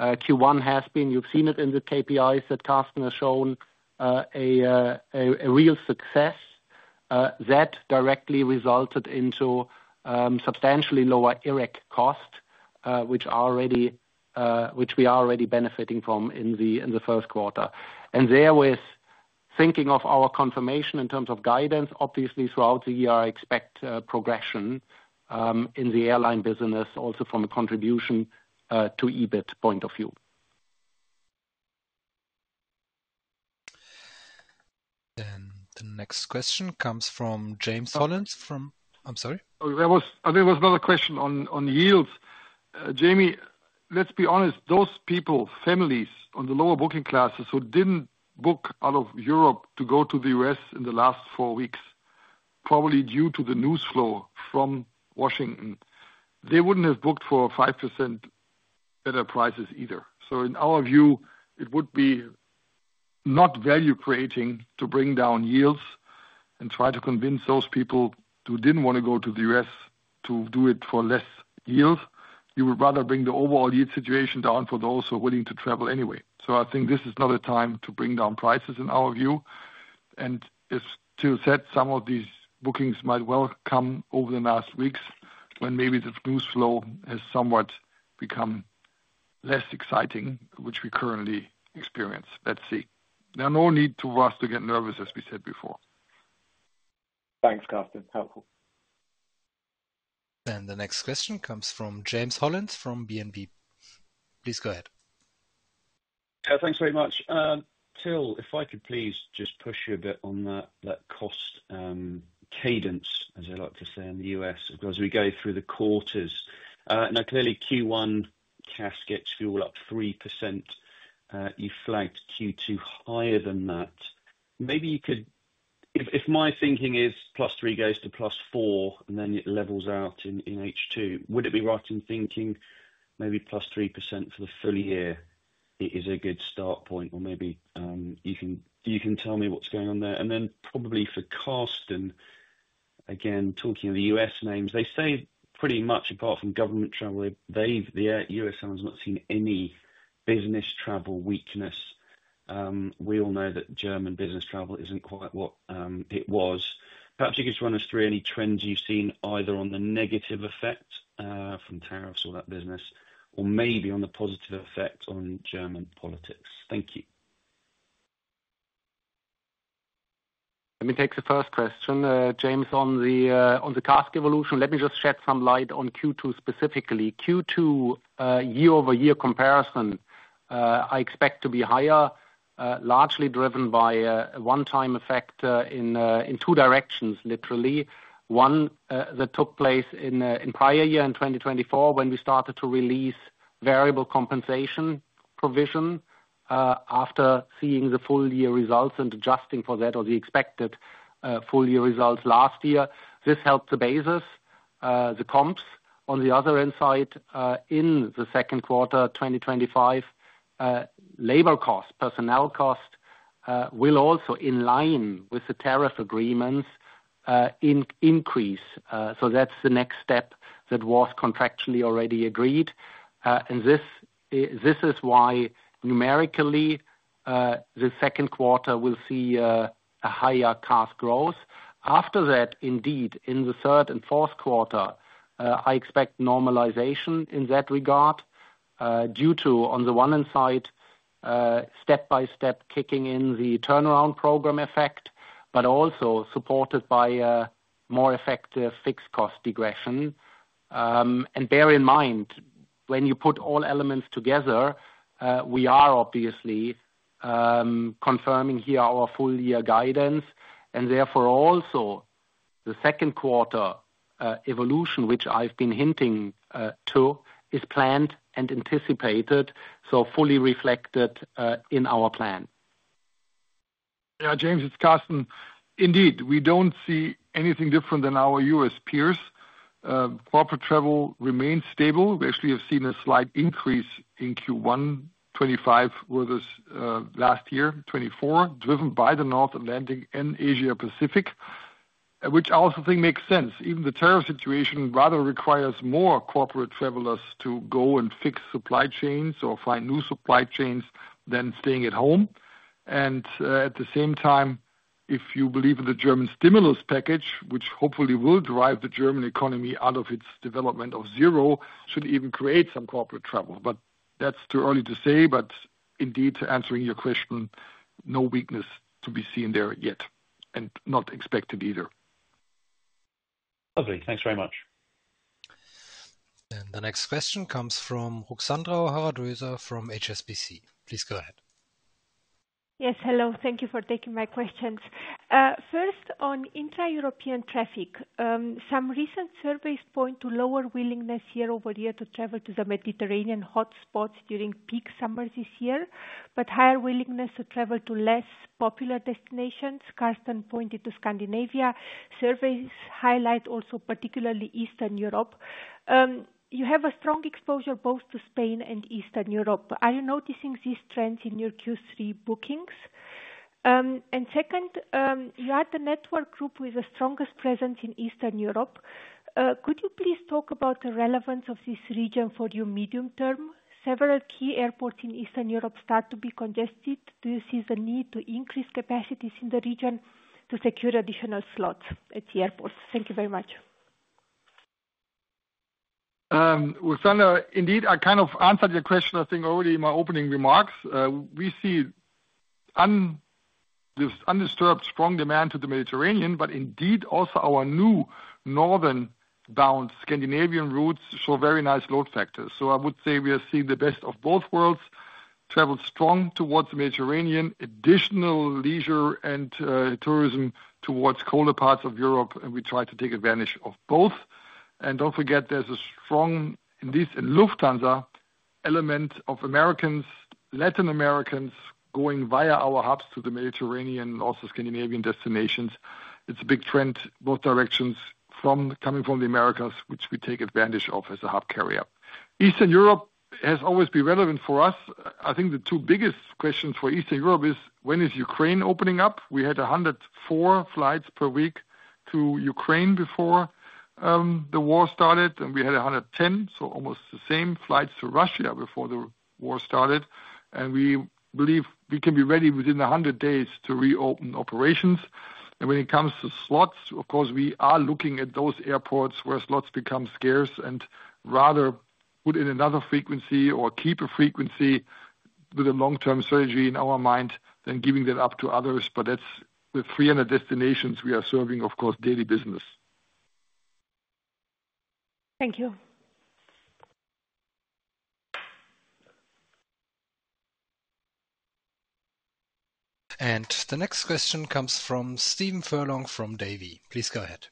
Q1 has been, you've seen it in the KPIs that Carsten has shown, a real success that directly resulted in substantially lower IRREG cost, which we are already benefiting from in the first quarter. Therewith, thinking of our confirmation in terms of guidance, obviously throughout the year, I expect progression in the airline business also from a contribution to EBIT point of view. The next question comes from James Hollins from, I'm sorry. There was another question on yields. Jaime, let's be honest, those people, families on the lower booking classes who didn't book out of Europe to go to the U.S. in the last four weeks, probably due to the news flow from Washington, they wouldn't have booked for 5% better prices either. In our view, it would be not value-creating to bring down yields and try to convince those people who didn't want to go to the U.S. to do it for less yield. You would rather bring the overall yield situation down for those who are willing to travel anyway. I think this is not a time to bring down prices in our view. As Till said, some of these bookings might well come over the last weeks when maybe the news flow has somewhat become less exciting, which we currently experience. Let's see. There's no need for us to get nervous, as we said before. Thanks, Carsten. Helpful. The next question comes from James Hollins from BNP. Please go ahead. Yeah, thanks very much. Till, if I could please just push you a bit on that cost cadence, as I like to say in the U.S., as we go through the quarters. Now, clearly, Q1 CASK ex-fuel up 3%. You flagged Q2 higher than that. Maybe you could, if my thinking is plus three goes to plus four and then it levels out in H2, would it be right in thinking maybe +3% for the full year is a good start point? Or maybe you can tell me what's going on there. Probably for Carsten, again, talking of the U.S. names, they say pretty much apart from government travel, the U.S. has not seen any business travel weakness. We all know that German business travel isn't quite what it was. Perhaps you could run us through any trends you've seen, either on the negative effect from tariffs or that business, or maybe on the positive effect on German politics. Thank you. Let me take the first question, James, on the CASK evolution. Let me just shed some light on Q2 specifically. Q2, year-over-year comparison, I expect to be higher, largely driven by a one-time effect in two directions, literally. One that took place in prior year in 2024 when we started to release variable compensation provision after seeing the full-year results and adjusting for that or the expected full-year results last year. This helped the basis, the comps. On the other hand side, in the second quarter, 2025, labor costs, personnel costs will also, in line with the tariff agreements, increase. That's the next step that was contractually already agreed. This is why numerically, the second quarter will see a higher CASK growth. After that, indeed, in the third and fourth quarter, I expect normalization in that regard due to, on the one hand side, step-by-step kicking in the turnaround program effect, but also supported by more effective fixed cost degression. Bear in mind, when you put all elements together, we are obviously confirming here our full-year guidance. Therefore, also the second quarter evolution, which I've been hinting to, is planned and anticipated, so fully reflected in our plan. Yeah, James, it's Carsten. Indeed, we don't see anything different than our U.S. peers. Corporate travel remains stable. We actually have seen a slight increase in Q1 2025 versus last year, 2024, driven by the North Atlantic in Asia-Pacific, which I also think makes sense. Even the tariff situation rather requires more corporate travelers to go and fix supply chains or find new supply chains than staying at home. At the same time, if you believe in the German stimulus package, which hopefully will drive the German economy out of its development of zero, it should even create some corporate travel. That is too early to say. Indeed, to answering your question, no weakness to be seen there yet and not expected either. Lovely. Thanks very much. The next question comes from Ruxandra Haradau-Döser HSBC. Please go ahead. Yes, hello. Thank you for taking my questions. First, on intra-European traffic, some recent surveys point to lower willingness year-over-year to travel to the Mediterranean hotspots during peak summer this year, but higher willingness to travel to less popular destinations. Carsten pointed to Scandinavia. Surveys highlight also particularly Eastern Europe. You have a strong exposure both to Spain and Eastern Europe. Are you noticing these trends in your Q3 bookings? Second, you had the network group with the strongest presence in Eastern Europe. Could you please talk about the relevance of this region for your medium term? Several key airports in Eastern Europe start to be congested. Do you see the need to increase capacities in the region to secure additional slots at the airports? Thank you very much. Ruxandra, indeed, I kind of answered your question, I think, already in my opening remarks. We see this undisturbed strong demand to the Mediterranean, but indeed also our new northern-bound Scandinavian routes show very nice load factors. I would say we are seeing the best of both worlds. Travel is strong towards the Mediterranean, additional leisure and tourism towards colder parts of Europe, and we try to take advantage of both. Do not forget, there is a strong Lufthansa element of Americans, Latin Americans going via our hubs to the Mediterranean and also Scandinavian destinations. It is a big trend both directions coming from the Americas, which we take advantage of as a hub carrier. Eastern Europe has always been relevant for us. I think the two biggest questions for Eastern Europe are, when is Ukraine opening up? We had 104 flights per week to Ukraine before the war started, and we had 110, so almost the same flights to Russia before the war started. We believe we can be ready within 100 days to reopen operations. When it comes to slots, of course, we are looking at those airports where slots become scarce and rather put in another frequency or keep a frequency with a long-term strategy in our mind than giving that up to others. That is with 300 destinations we are serving, of course, daily business. Thank you. The next question comes from Stephen Furlong from Davy. Please go ahead.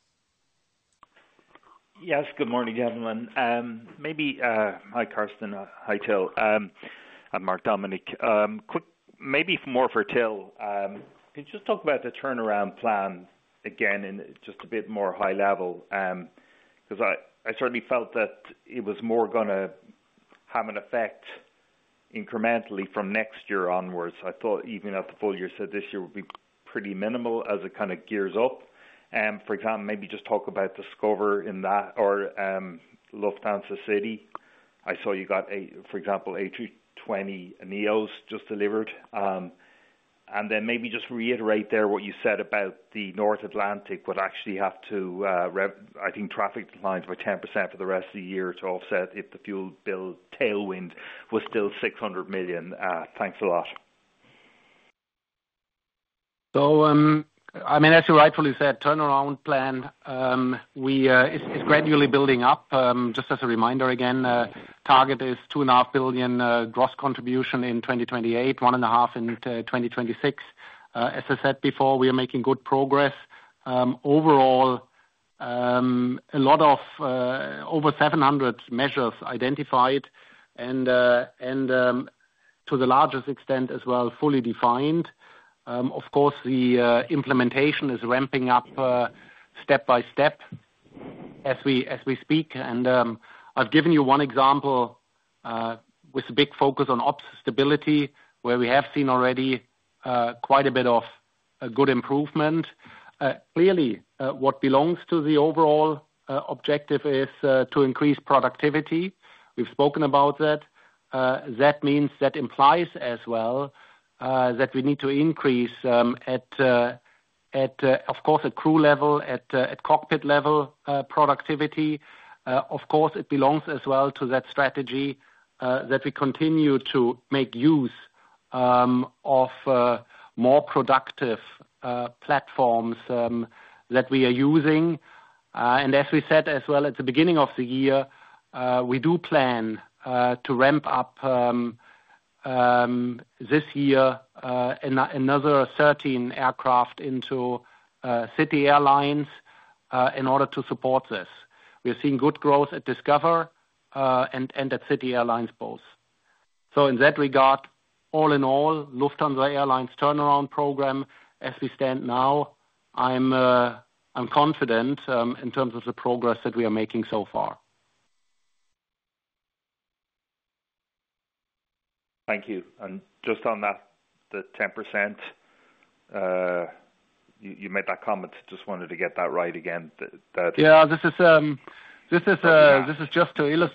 Yes, good morning, gentlemen. Maybe hi, Carsten, hi, Till, hi, Marc-Dominic. Maybe more for Till. Can you just talk about the turnaround plan again in just a bit more high level? Because I certainly felt that it was more going to have an effect incrementally from next year onwards. I thought even at the full year, so this year would be pretty minimal as it kind of gears up. For example, maybe just talk about Discover in that or Lufthansa City. I saw you got, for example, A220 neos just delivered. Maybe just reiterate there what you said about the North Atlantic would actually have to, I think, traffic declined by 10% for the rest of the year to offset if the fuel bill tailwind was still 600 million. Thanks a lot. I mean, as you rightfully said, turnaround plan is gradually building up. Just as a reminder again, target is 2.5 billion gross contribution in 2028, 1.5 billion in 2026. As I said before, we are making good progress. Overall, a lot of over 700 measures identified and to the largest extent as well fully defined. Of course, the implementation is ramping up step by step as we speak. I have given you one example with a big focus on ops stability, where we have seen already quite a bit of good improvement. Clearly, what belongs to the overall objective is to increase productivity. We've spoken about that. That means that implies as well that we need to increase, of course, at crew level, at cockpit level productivity. Of course, it belongs as well to that strategy that we continue to make use of more productive platforms that we are using. As we said as well at the beginning of the year, we do plan to ramp up this year another 13 aircraft into City in order to support this. We're seeing good growth at Discover and at City Airlines both. In that regard, all in all, Lufthansa Airlines turnaround program, as we stand now, I'm confident in terms of the progress that we are making so far. Thank you. Just on that, the 10%, you made that comment. Just wanted to get that right again. Yeah, this is just to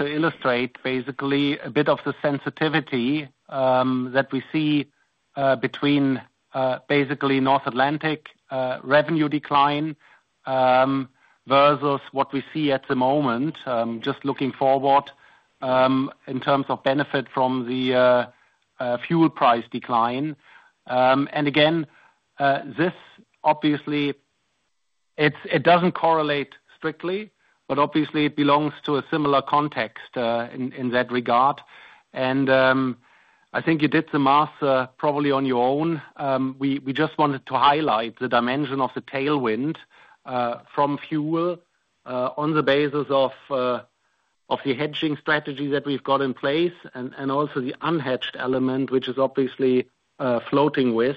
illustrate basically a bit of the sensitivity that we see between basically North Atlantic revenue decline versus what we see at the moment, just looking forward in terms of benefit from the fuel price decline. This obviously, it does not correlate strictly, but obviously it belongs to a similar context in that regard. I think you did the math probably on your own. We just wanted to highlight the dimension of the tailwind from fuel on the basis of the hedging strategy that we have got in place and also the unhedged element, which is obviously floating with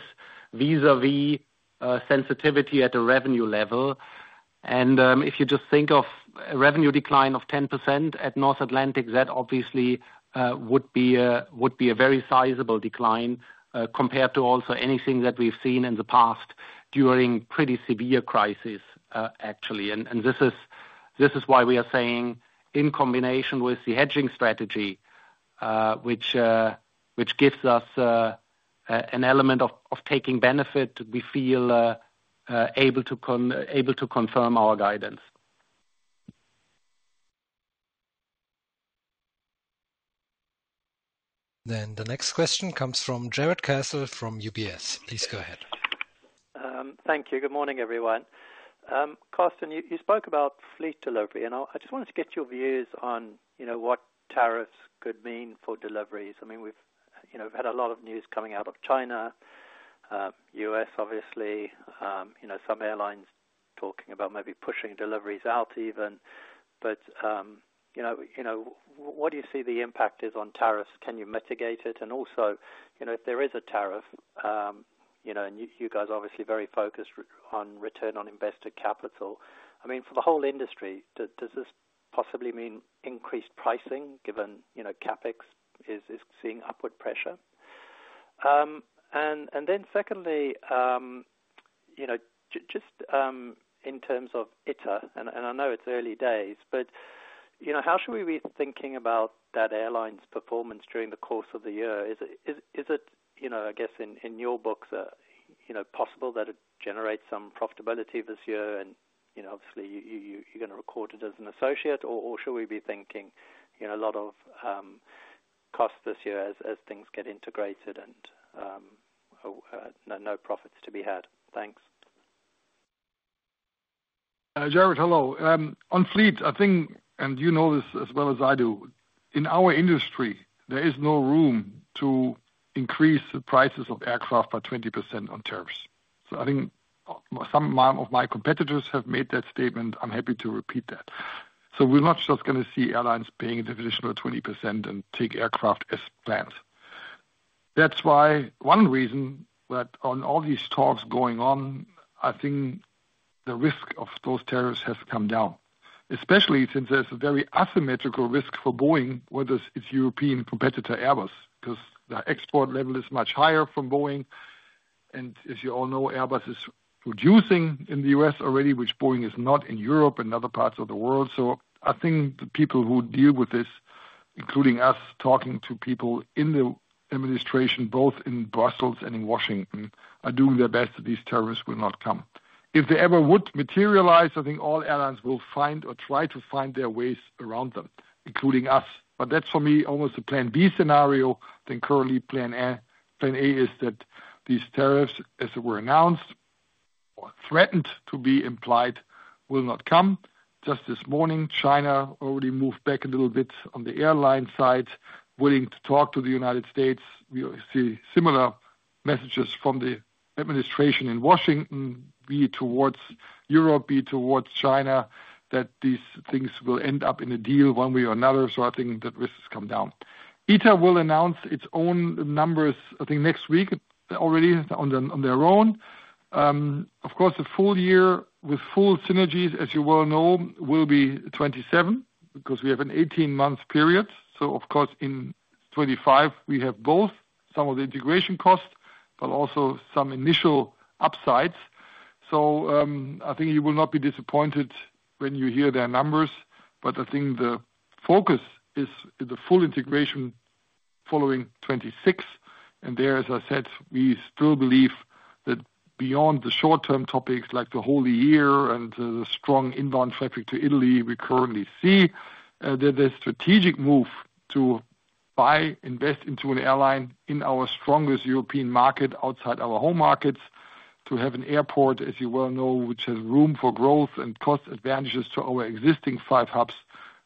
vis-à-vis sensitivity at the revenue level. If you just think of a revenue decline of 10% at North Atlantic, that obviously would be a very sizable decline compared to also anything that we have seen in the past during pretty severe crises, actually. This is why we are saying in combination with the hedging strategy, which gives us an element of taking benefit, we feel able to confirm our guidance. The next question comes from Jarrod Castle from UBS. Please go ahead. Thank you. Good morning, everyone. Carsten, you spoke about fleet delivery, and I just wanted to get your views on what tariffs could mean for deliveries. I mean, we've had a lot of news coming out of China, U.S., obviously, some airlines talking about maybe pushing deliveries out even. What do you see the impact is on tariffs? Can you mitigate it? Also, if there is a tariff, and you guys are obviously very focused on return on invested capital, I mean, for the whole industry, does this possibly mean increased pricing given CapEx is seeing upward pressure? Then secondly, just in terms of ITA, and I know it's early days, but how should we be thinking about that airline's performance during the course of the year? Is it, I guess, in your books, possible that it generates some profitability this year? Obviously, you're going to record it as an associate, or should we be thinking a lot of costs this year as things get integrated and no profits to be had? Thanks. Jarrod, hello. On fleets, I think, and you know this as well as I do, in our industry, there is no room to increase the prices of aircraft by 20% on tariffs. I think some of my competitors have made that statement. I'm happy to repeat that. We're not just going to see airlines paying a divisional 20% and take aircraft as plans. That's why one reason that on all these talks going on, I think the risk of those tariffs has come down, especially since there's a very asymmetrical risk for Boeing, whether it's European competitor Airbus, because the export level is much higher from Boeing. And as you all know, Airbus is producing in the U.S. already, which Boeing is not in Europe and other parts of the world. I think the people who deal with this, including us talking to people in the administration, both in Brussels and in Washington, are doing their best that these tariffs will not come. If they ever would materialize, I think all airlines will find or try to find their ways around them, including us. That's for me almost a plan B scenario. I think currently plan A is that these tariffs, as they were announced or threatened to be implied, will not come. Just this morning, China already moved back a little bit on the airline side, willing to talk to the United States. We see similar messages from the administration in Washington, be it towards Europe, be it towards China, that these things will end up in a deal one way or another. I think that risk has come down. ITA will announce its own numbers, I think, next week already on their own. Of course, the full year with full synergies, as you well know, will be 2027 because we have an 18-month period. In 2025, we have both some of the integration costs, but also some initial upsides. I think you will not be disappointed when you hear their numbers. I think the focus is the full integration following 2026. There, as I said, we still believe that beyond the short-term topics like the Holy Year and the strong inbound traffic to Italy, we currently see that the strategic move to buy, invest into an airline in our strongest European market outside our home markets to have an airport, as you well know, which has room for growth and cost advantages to our existing five hubs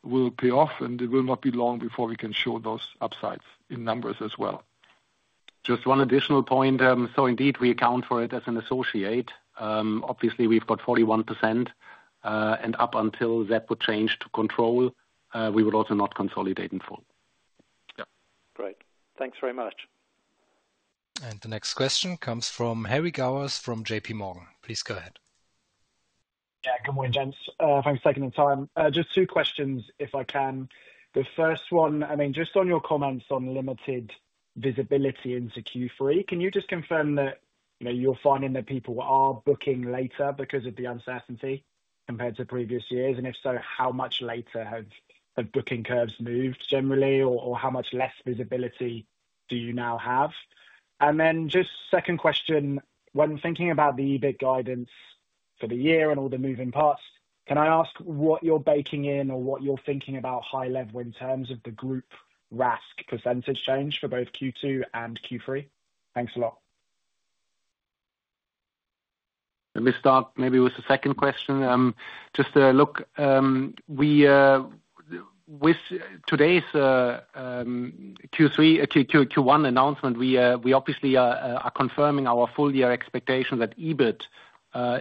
will pay off, and it will not be long before we can show those upsides in numbers as well. Just one additional point. Indeed, we account for it as an associate. Obviously, we've got 41%, and up until that would change to control, we would also not consolidate in full. Yeah. Great. Thanks very much. The next question comes from Harry Gowers from JPMorgan. Please go ahead. Yeah, good morning, James. Thanks for taking the time. Just two questions, if I can. The first one, I mean, just on your comments on limited visibility into Q3, can you just confirm that you're finding that people are booking later because of the uncertainty compared to previous years? If so, how much later have booking curves moved generally, or how much less visibility do you now have? Just second question, when thinking about the EBIT guidance for the year and all the moving parts, can I ask what you're baking in or what you're thinking about high level in terms of the group RASK percentage change for both Q2 and Q3? Thanks a lot. Let me start maybe with the second question. Just a look. With today's Q1 announcement, we obviously are confirming our full year expectation that EBIT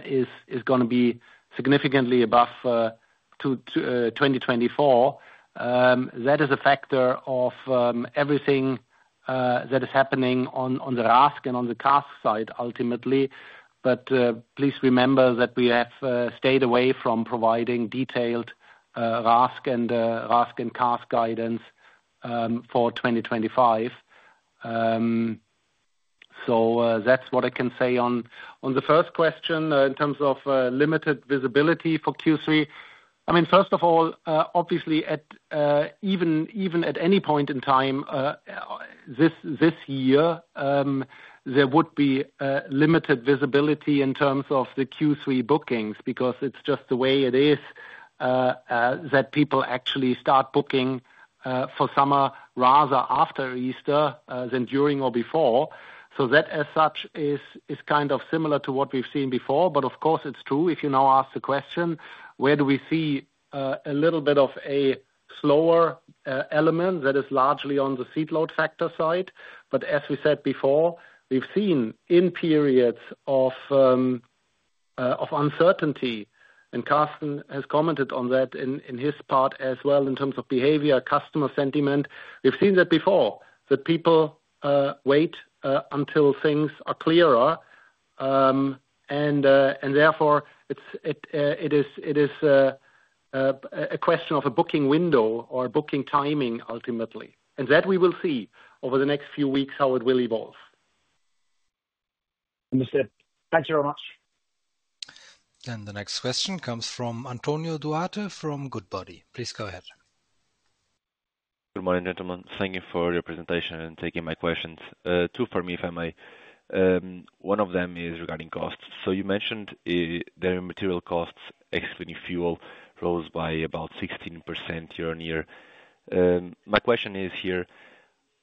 is going to be significantly above 2024. That is a factor of everything that is happening on the RASK and on the CASK side, ultimately. Please remember that we have stayed away from providing detailed RASK and CASK guidance for 2025. That is what I can say on the first question in terms of limited visibility for Q3. I mean, first of all, obviously, even at any point in time this year, there would be limited visibility in terms of the Q3 bookings because it is just the way it is that people actually start booking for summer rather after Easter than during or before. That as such is kind of similar to what we have seen before. Of course, it is true. If you now ask the question, where do we see a little bit of a slower element, that is largely on the seat load factor side. As we said before, we've seen in periods of uncertainty, and Carsten has commented on that in his part as well in terms of behavior, customer sentiment. We've seen that before, that people wait until things are clearer. Therefore, it is a question of a booking window or booking timing, ultimately. We will see over the next few weeks how it will evolve. Understood. Thank you very much. The next question comes from Antonio Duarte from Goodbody. Please go ahead. Good morning, gentlemen. Thank you for your presentation and taking my questions. Two for me, if I may. One of them is regarding costs. You mentioned their material costs, excluding fuel, rose by about 16% year on year. My question is here,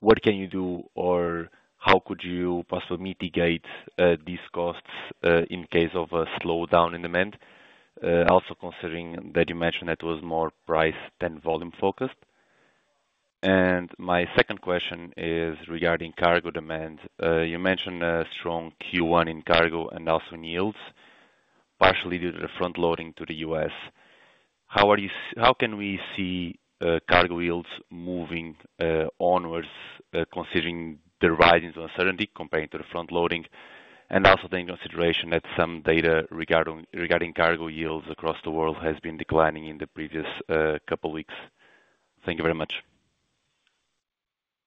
what can you do or how could you possibly mitigate these costs in case of a slowdown in demand? Also considering that you mentioned that it was more price than volume focused. My second question is regarding cargo demand. You mentioned a strong Q1 in cargo and also in yields, partially due to the front loading to the U.S. How can we see cargo yields moving onwards considering the rising uncertainty compared to the front loading? Also taking consideration that some data regarding cargo yields across the world has been declining in the previous couple of weeks. Thank you very much.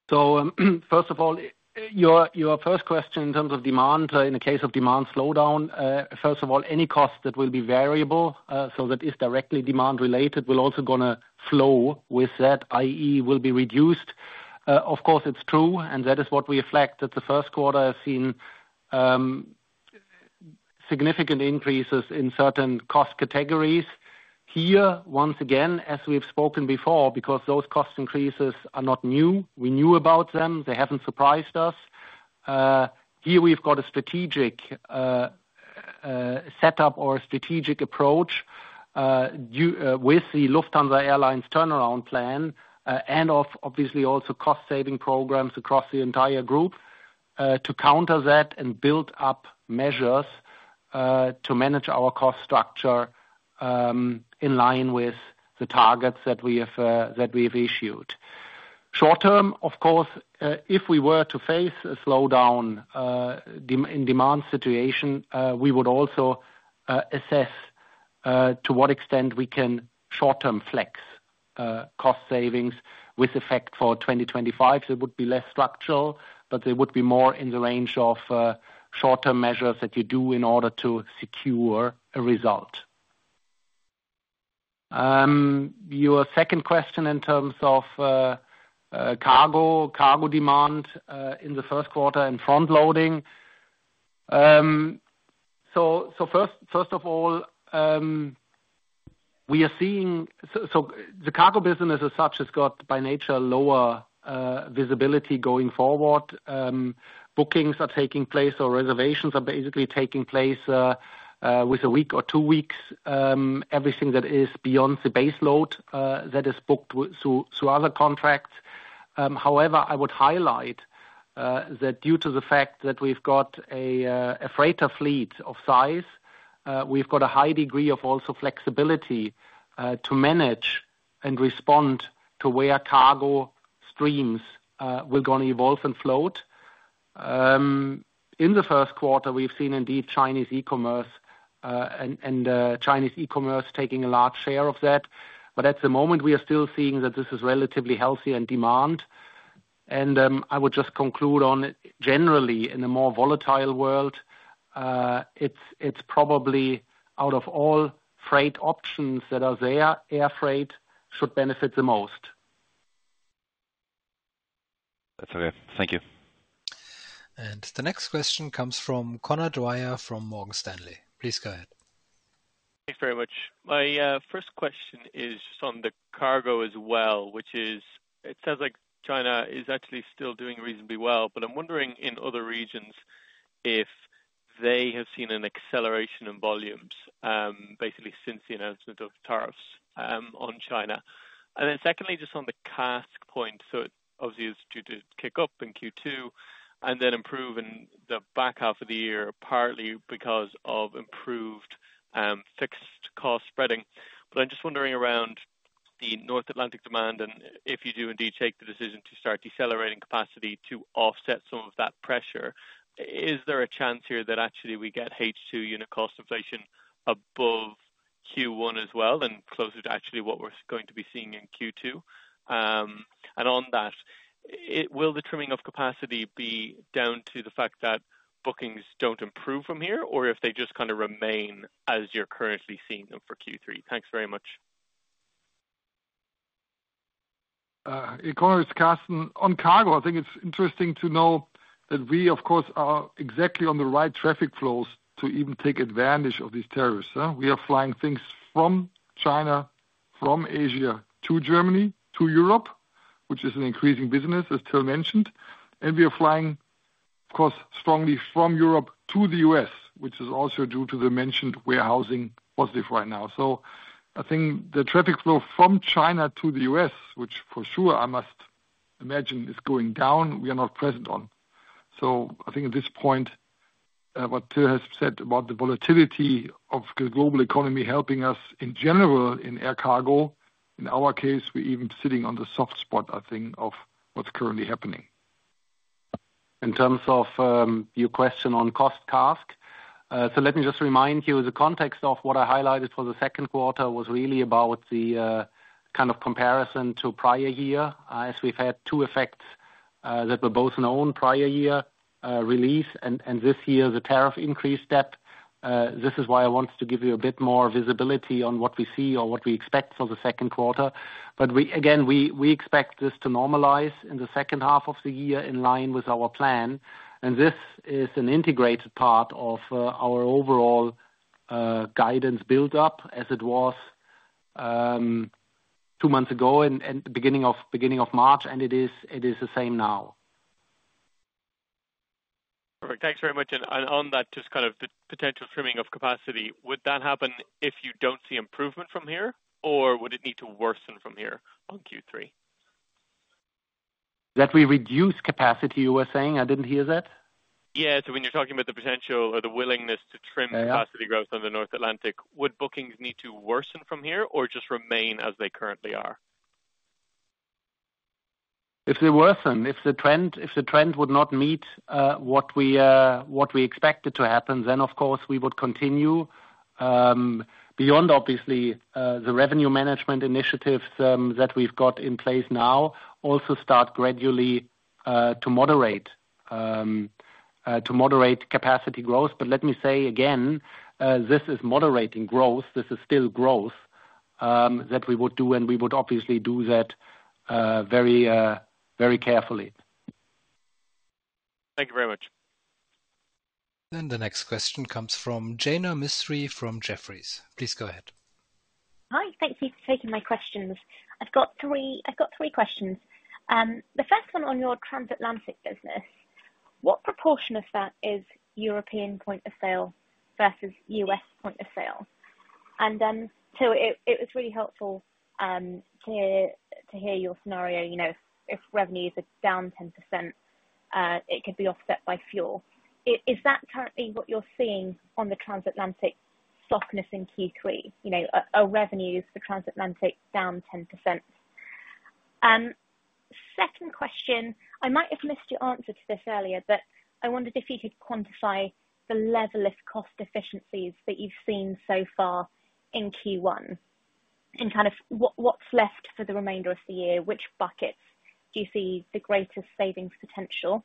First of all, your first question in terms of demand, in the case of demand slowdown, any cost that will be variable, so that is directly demand related, will also going to flow with that, i.e., will be reduced. Of course, it is true, and that is what we reflect, that the first quarter has seen significant increases in certain cost categories. Here, once again, as we've spoken before, because those cost increases are not new, we knew about them, they haven't surprised us. Here we've got a strategic setup or a strategic approach with the Lufthansa Airlines turnaround plan and obviously also cost-saving programs across the entire group to counter that and build up measures to manage our cost structure in line with the targets that we have issued. Short term, of course, if we were to face a slowdown in demand situation, we would also assess to what extent we can short-term flex cost savings with effect for 2025. They would be less structural, but they would be more in the range of short-term measures that you do in order to secure a result. Your second question in terms of cargo demand in the first quarter and front loading. First of all, we are seeing the Cargo business as such has got by nature lower visibility going forward. Bookings are taking place or reservations are basically taking place with a week or two weeks, everything that is beyond the base load that is booked through other contracts. However, I would highlight that due to the fact that we've got a freighter fleet of size, we've got a high degree of also flexibility to manage and respond to where cargo streams will going to evolve and float. In the first quarter, we've seen indeed Chinese e-commerce and Chinese e-commerce taking a large share of that. At the moment, we are still seeing that this is relatively healthy in demand. I would just conclude on generally in a more volatile world, it's probably out of all freight options that are there, air freight should benefit the most. That's okay. Thank you. The next question comes from Conor Dwyer from Morgan Stanley. Please go ahead. Thanks very much. My first question is just on the Cargo as well, which is it sounds like China is actually still doing reasonably well, but I'm wondering in other regions if they have seen an acceleration in volumes basically since the announcement of tariffs on China. Secondly, just on the CASK point, so obviously it's due to kick up in Q2 and then improve in the back half of the year, partly because of improved fixed cost spreading. I'm just wondering around the North Atlantic demand and if you do indeed take the decision to start decelerating capacity to offset some of that pressure, is there a chance here that actually we get H2 unit cost inflation above Q1 as well and closer to actually what we're going to be seeing in Q2? On that, will the trimming of capacity be down to the fact that bookings don't improve from here or if they just kind of remain as you're currently seeing them for Q3? Thanks very much. Conor, it's Carsten. On Cargo, I think it's interesting to know that we, of course, are exactly on the right traffic flows to even take advantage of these tariffs. We are flying things from China, from Asia to Germany, to Europe, which is an increasing business, as Till mentioned. We are flying, of course, strongly from Europe to the U.S., which is also due to the mentioned warehousing positive right now. I think the traffic flow from China to the U.S., which for sure I must imagine is going down, we are not present on. I think at this point, what Till has said about the volatility of the global economy helping us in general in air Cargo, in our case, we're even sitting on the soft spot, I think, of what's currently happening. In terms of your question on cost CASK, let me just remind you the context of what I highlighted for the second quarter was really about the kind of comparison to prior year as we've had two effects that were both known prior year release and this year the tariff increase step. This is why I wanted to give you a bit more visibility on what we see or what we expect for the second quarter. We expect this to normalize in the second half of the year in line with our plan. This is an integrated part of our overall guidance buildup as it was two months ago and beginning of March, and it is the same now. Perfect. Thanks very much. On that, just kind of the potential trimming of capacity, would that happen if you do not see improvement from here or would it need to worsen from here on Q3? That we reduce capacity, you were saying? I did not hear that. Yeah. When you are talking about the potential or the willingness to trim capacity growth on the North Atlantic, would bookings need to worsen from here or just remain as they currently are? If they worsen, if the trend would not meet what we expected to happen, then of course we would continue beyond obviously the revenue management initiatives that we've got in place now, also start gradually to moderate capacity growth. Let me say again, this is moderating growth. This is still growth that we would do, and we would obviously do that very carefully. Thank you very much. The next question comes from Jaina Mistry from Jefferies. Please go ahead. Hi. Thank you for taking my questions. I've got three questions. The first one on your transatlantic business, what proportion of that is European point of sale versus U.S. point of sale? Till, it was really helpful to hear your scenario. If revenues are down 10%, it could be offset by fuel. Is that currently what you're seeing on the transatlantic softness in Q3, a revenue for transatlantic down 10%? Second question, I might have missed your answer to this earlier, but I wondered if you could quantify the level of cost efficiencies that you've seen so far in Q1 and kind of what's left for the remainder of the year, which buckets do you see the greatest savings potential?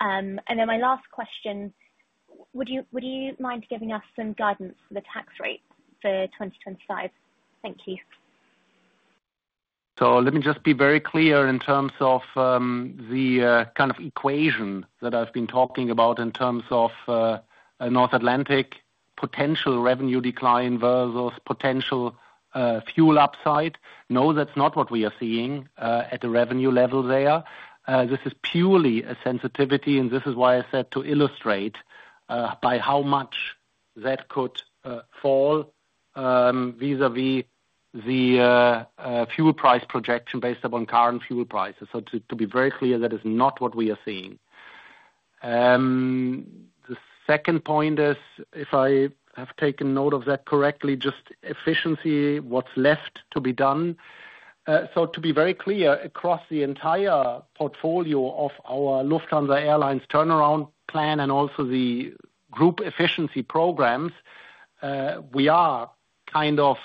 My last question, would you mind giving us some guidance for the tax rate for 2025? Thank you. Let me just be very clear in terms of the kind of equation that I've been talking about in terms of North Atlantic potential revenue decline versus potential fuel upside. No, that's not what we are seeing at the revenue level there. This is purely a sensitivity, and this is why I said to illustrate by how much that could fall vis-à-vis the fuel price projection based upon current fuel prices. To be very clear, that is not what we are seeing. The second point is, if I have taken note of that correctly, just efficiency, what's left to be done. To be very clear, across the entire portfolio of our Lufthansa Airlines turnaround plan and also the group efficiency programs, we are kind of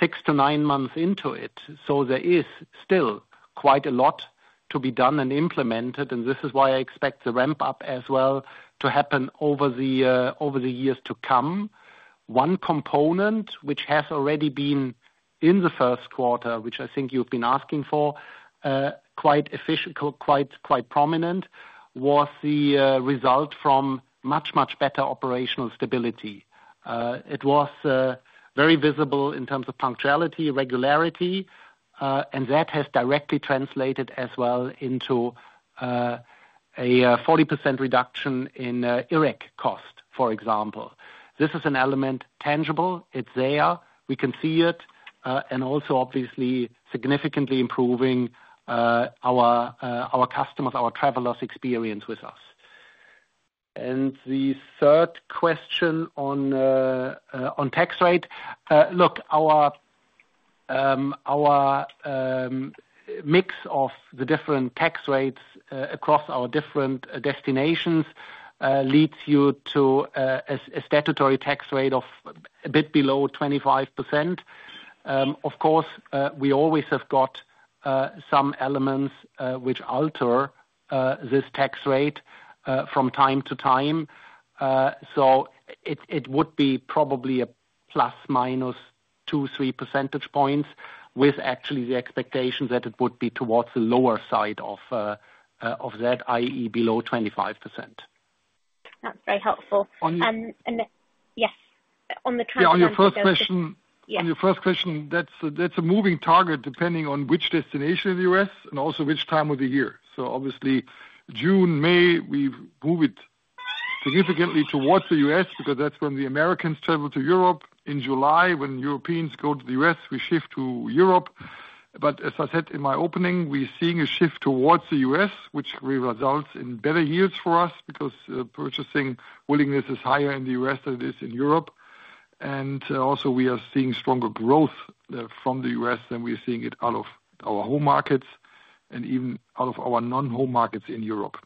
six to nine months into it. There is still quite a lot to be done and implemented, and this is why I expect the ramp-up as well to happen over the years to come. One component, which has already been in the first quarter, which I think you've been asking for, quite prominent, was the result from much, much better operational stability. It was very visible in terms of punctuality, regularity, and that has directly translated as well into a 40% reduction in IRREG cost, for example. This is an element tangible. It's there. We can see it and also obviously significantly improving our customers, our travelers' experience with us. The third question on tax rate, look, our mix of the different tax rates across our different destinations leads you to a statutory tax rate of a bit below 25%. Of course, we always have got some elements which alter this tax rate from time to time. It would be probably a plus-minus two-three percentage points with actually the expectation that it would be towards the lower side of that, i.e., below 25%. That's very helpful. Yes. On the transatlantic fleets. Yeah. On your first question, that's a moving target depending on which destination in the U.S. and also which time of the year. Obviously, June, May, we've moved significantly towards the U.S. because that's when the Americans travel to Europe. In July, when Europeans go to the U.S., we shift to Europe. As I said in my opening, we're seeing a shift towards the U.S., which results in better yields for us because purchasing willingness is higher in the U.S. than it is in Europe. Also, we are seeing stronger growth from the U.S. than we're seeing out of our home markets and even out of our non-home markets in Europe.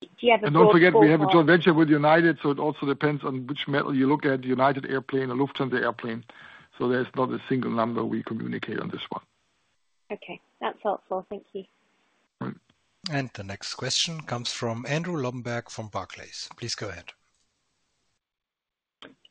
Do you have a sort of? Don't forget, we have a joint venture with United, so it also depends on which metal you look at, United Airplane or Lufthansa Airplane. There is not a single number we communicate on this one. Okay. That's helpful. Thank you. The next question comes from Andrew Lobbenberg from Barclays. Please go ahead.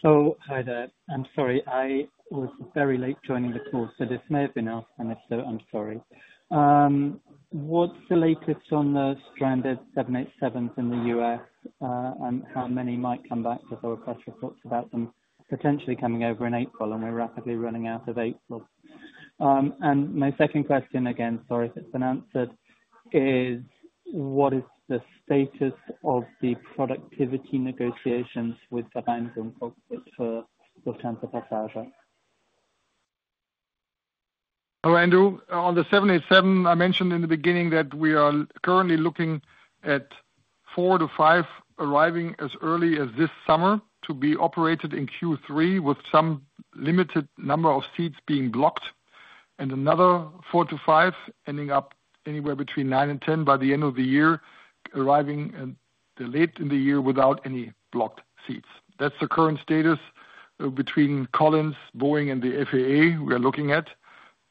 Oh, hi there. I'm sorry. I was very late joining the call, so this may have been asked. And if so, I'm sorry. What's the latest on the stranded 787s in the U.S. and how many might come back because there were press reports about them potentially coming over in April, and we're rapidly running out of April? My second question, again, sorry if it's unanswered, is what is the status of the productivity negotiations with the Vereinigung Cockpit for Lufthansa Passage? Hello, Andrew. On the 787, I mentioned in the beginning that we are currently looking at four to five arriving as early as this summer to be operated in Q3 with some limited number of seats being blocked and another four to five ending up anywhere between nine and ten by the end of the year, arriving late in the year without any blocked seats. That is the current status between Collins, Boeing, and the FAA we are looking at.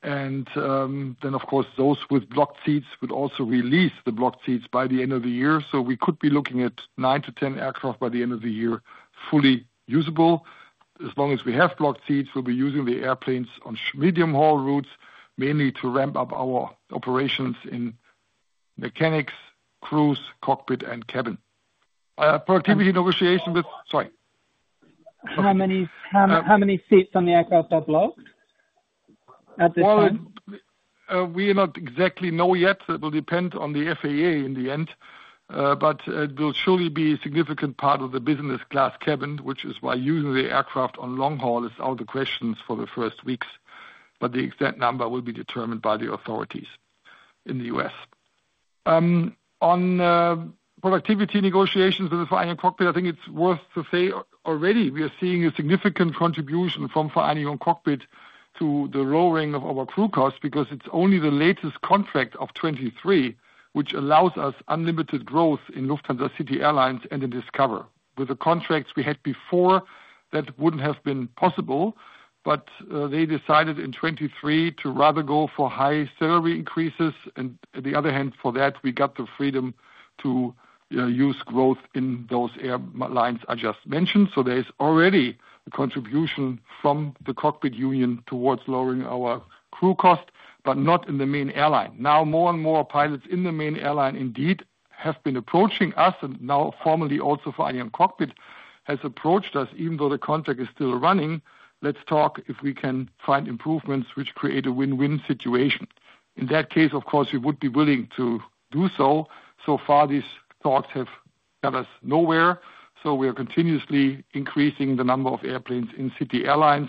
Of course, those with blocked seats would also release the blocked seats by the end of the year. We could be looking at nine to ten aircraft by the end of the year fully usable. As long as we have blocked seats, we will be using the airplanes on medium-haul routes, mainly to ramp up our operations in mechanics, crews, cockpit, and cabin. Productivity negotiations with—sorry. How many seats on the aircraft are blocked at this time? We are not exactly sure yet. It will depend on the FAA in the end, but it will surely be a significant part of the Business Class cabin, which is why using the aircraft on long haul is out of the question for the first weeks. The exact number will be determined by the authorities in the U.S. On productivity negotiations with the Vereinigung Cockpit, I think it's worth to say already we are seeing a significant contribution from Vereinigung Cockpit to the lowering of our crew costs because it's only the latest contract of 2023, which allows us unlimited growth in Lufthansa City Airlines and in Discover. With the contracts we had before, that would not have been possible, but they decided in 2023 to rather go for high salary increases. On the other hand, for that, we got the freedom to use growth in those airlines I just mentioned. There is already a contribution from the cockpit union towards lowering our crew cost, but not in the main airline. Now, more and more pilots in the main airline indeed have been approaching us, and now formally also Vereinigung Cockpit has approached us, even though the contract is still running. Let's talk if we can find improvements which create a win-win situation. In that case, of course, we would be willing to do so. So far, these talks have got us nowhere. We are continuously increasing the number of airplanes in City Airlines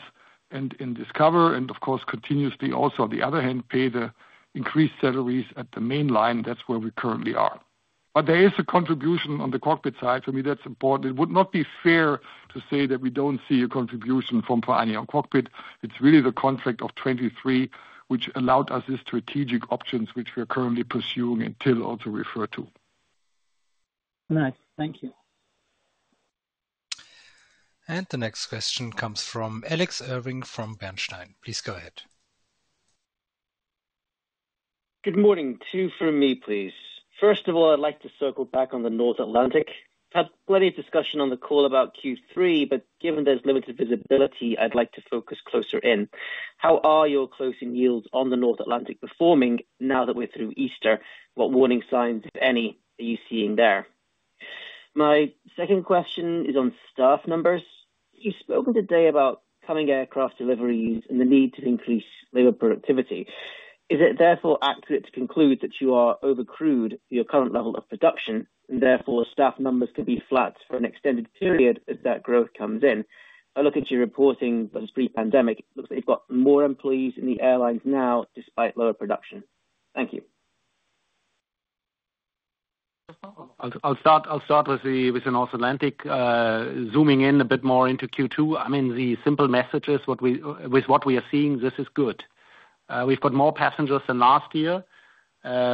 and in Discover and, of course, continuously also, on the other hand, pay the increased salaries at the main line. That's where we currently are. There is a contribution on the cockpit side. For me, that's important. It would not be fair to say that we don't see a contribution from Vereinigung Cockpit. It's really the contract of 2023, which allowed us these strategic options which we are currently pursuing and Till also referred to. Nice. Thank you. The next question comes from Alex Irving from Bernstein. Please go ahead. Good morning. Two from me, please. First of all, I'd like to circle back on the North Atlantic. Had plenty of discussion on the call about Q3, but given there's limited visibility, I'd like to focus closer in. How are your closing yields on the North Atlantic performing now that we're through Easter? What warning signs, if any, are you seeing there? My second question is on staff numbers. You've spoken today about coming aircraft deliveries and the need to increase labor productivity. Is it therefore accurate to conclude that you are overcrewed for your current level of production and therefore staff numbers could be flat for an extended period as that growth comes in? I look at your reporting pre-pandemic. It looks like you've got more employees in the airlines now despite lower production. Thank you. I'll start with the North Atlantic, zooming in a bit more into Q2. I mean, the simple message is with what we are seeing, this is good. We've got more passengers than last year.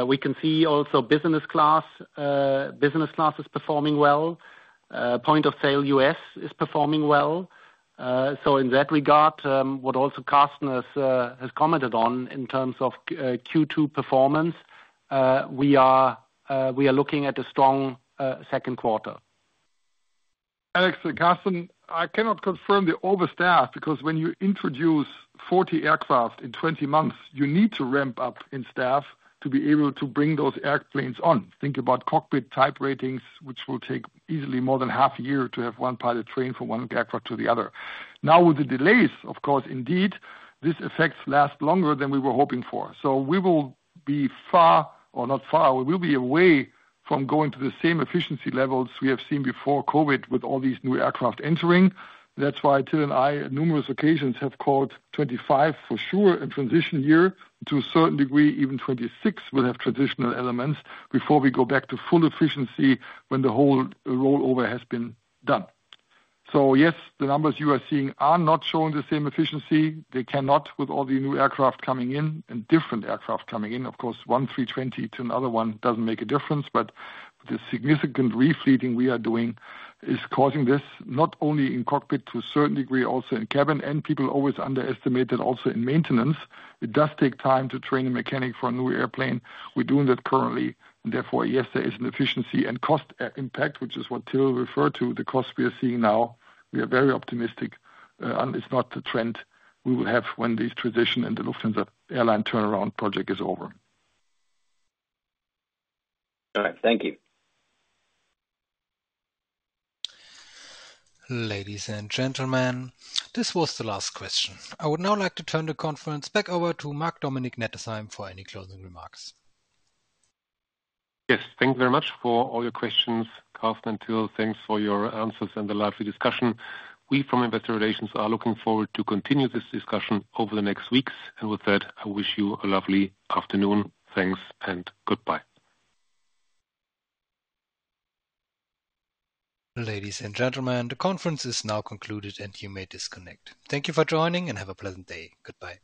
We can see also Business Class is performing well. Point of sale U.S. is performing well. In that regard, what also Carsten has commented on in terms of Q2 performance, we are looking at a strong second quarter. Alex, Carsten, I cannot confirm the overstaff because when you introduce 40 aircraft in 20 months, you need to ramp up in staff to be able to bring those airplanes on. Think about cockpit type ratings, which will take easily more than half a year to have one pilot train from one aircraft to the other. Now, with the delays, of course, indeed, this effects last longer than we were hoping for. We will be far or not far. We will be away from going to the same efficiency levels we have seen before COVID with all these new aircraft entering. That is why Till and I on numerous occasions have called 2025 for sure a transition year. To a certain degree, even 2026 will have transitional elements before we go back to full efficiency when the whole rollover has been done. Yes, the numbers you are seeing are not showing the same efficiency. They cannot with all the new aircraft coming in and different aircraft coming in. Of course, one 320 to another one doesn't make a difference, but the significant refleeting we are doing is causing this not only in cockpit to a certain degree, also in cabin. People always underestimate that also in maintenance, it does take time to train a mechanic for a new airplane. We're doing that currently. Therefore, yes, there is an efficiency and cost impact, which is what Till referred to, the cost we are seeing now. We are very optimistic. It's not the trend we will have when these transition and the Lufthansa Airline turnaround project is over. All right. Thank you. Ladies and gentlemen, this was the last question. I would now like to turn the conference back over to Marc-Dominic Nettesheim for any closing remarks. Yes. Thank you very much for all your questions, Carsten and Till. Thanks for your answers and the lively discussion. We from Investor Relations are looking forward to continue this discussion over the next weeks. I wish you a lovely afternoon. Thanks and goodbye. Ladies and gentlemen, the conference is now concluded, and you may disconnect. Thank you for joining and have a pleasant day. Goodbye.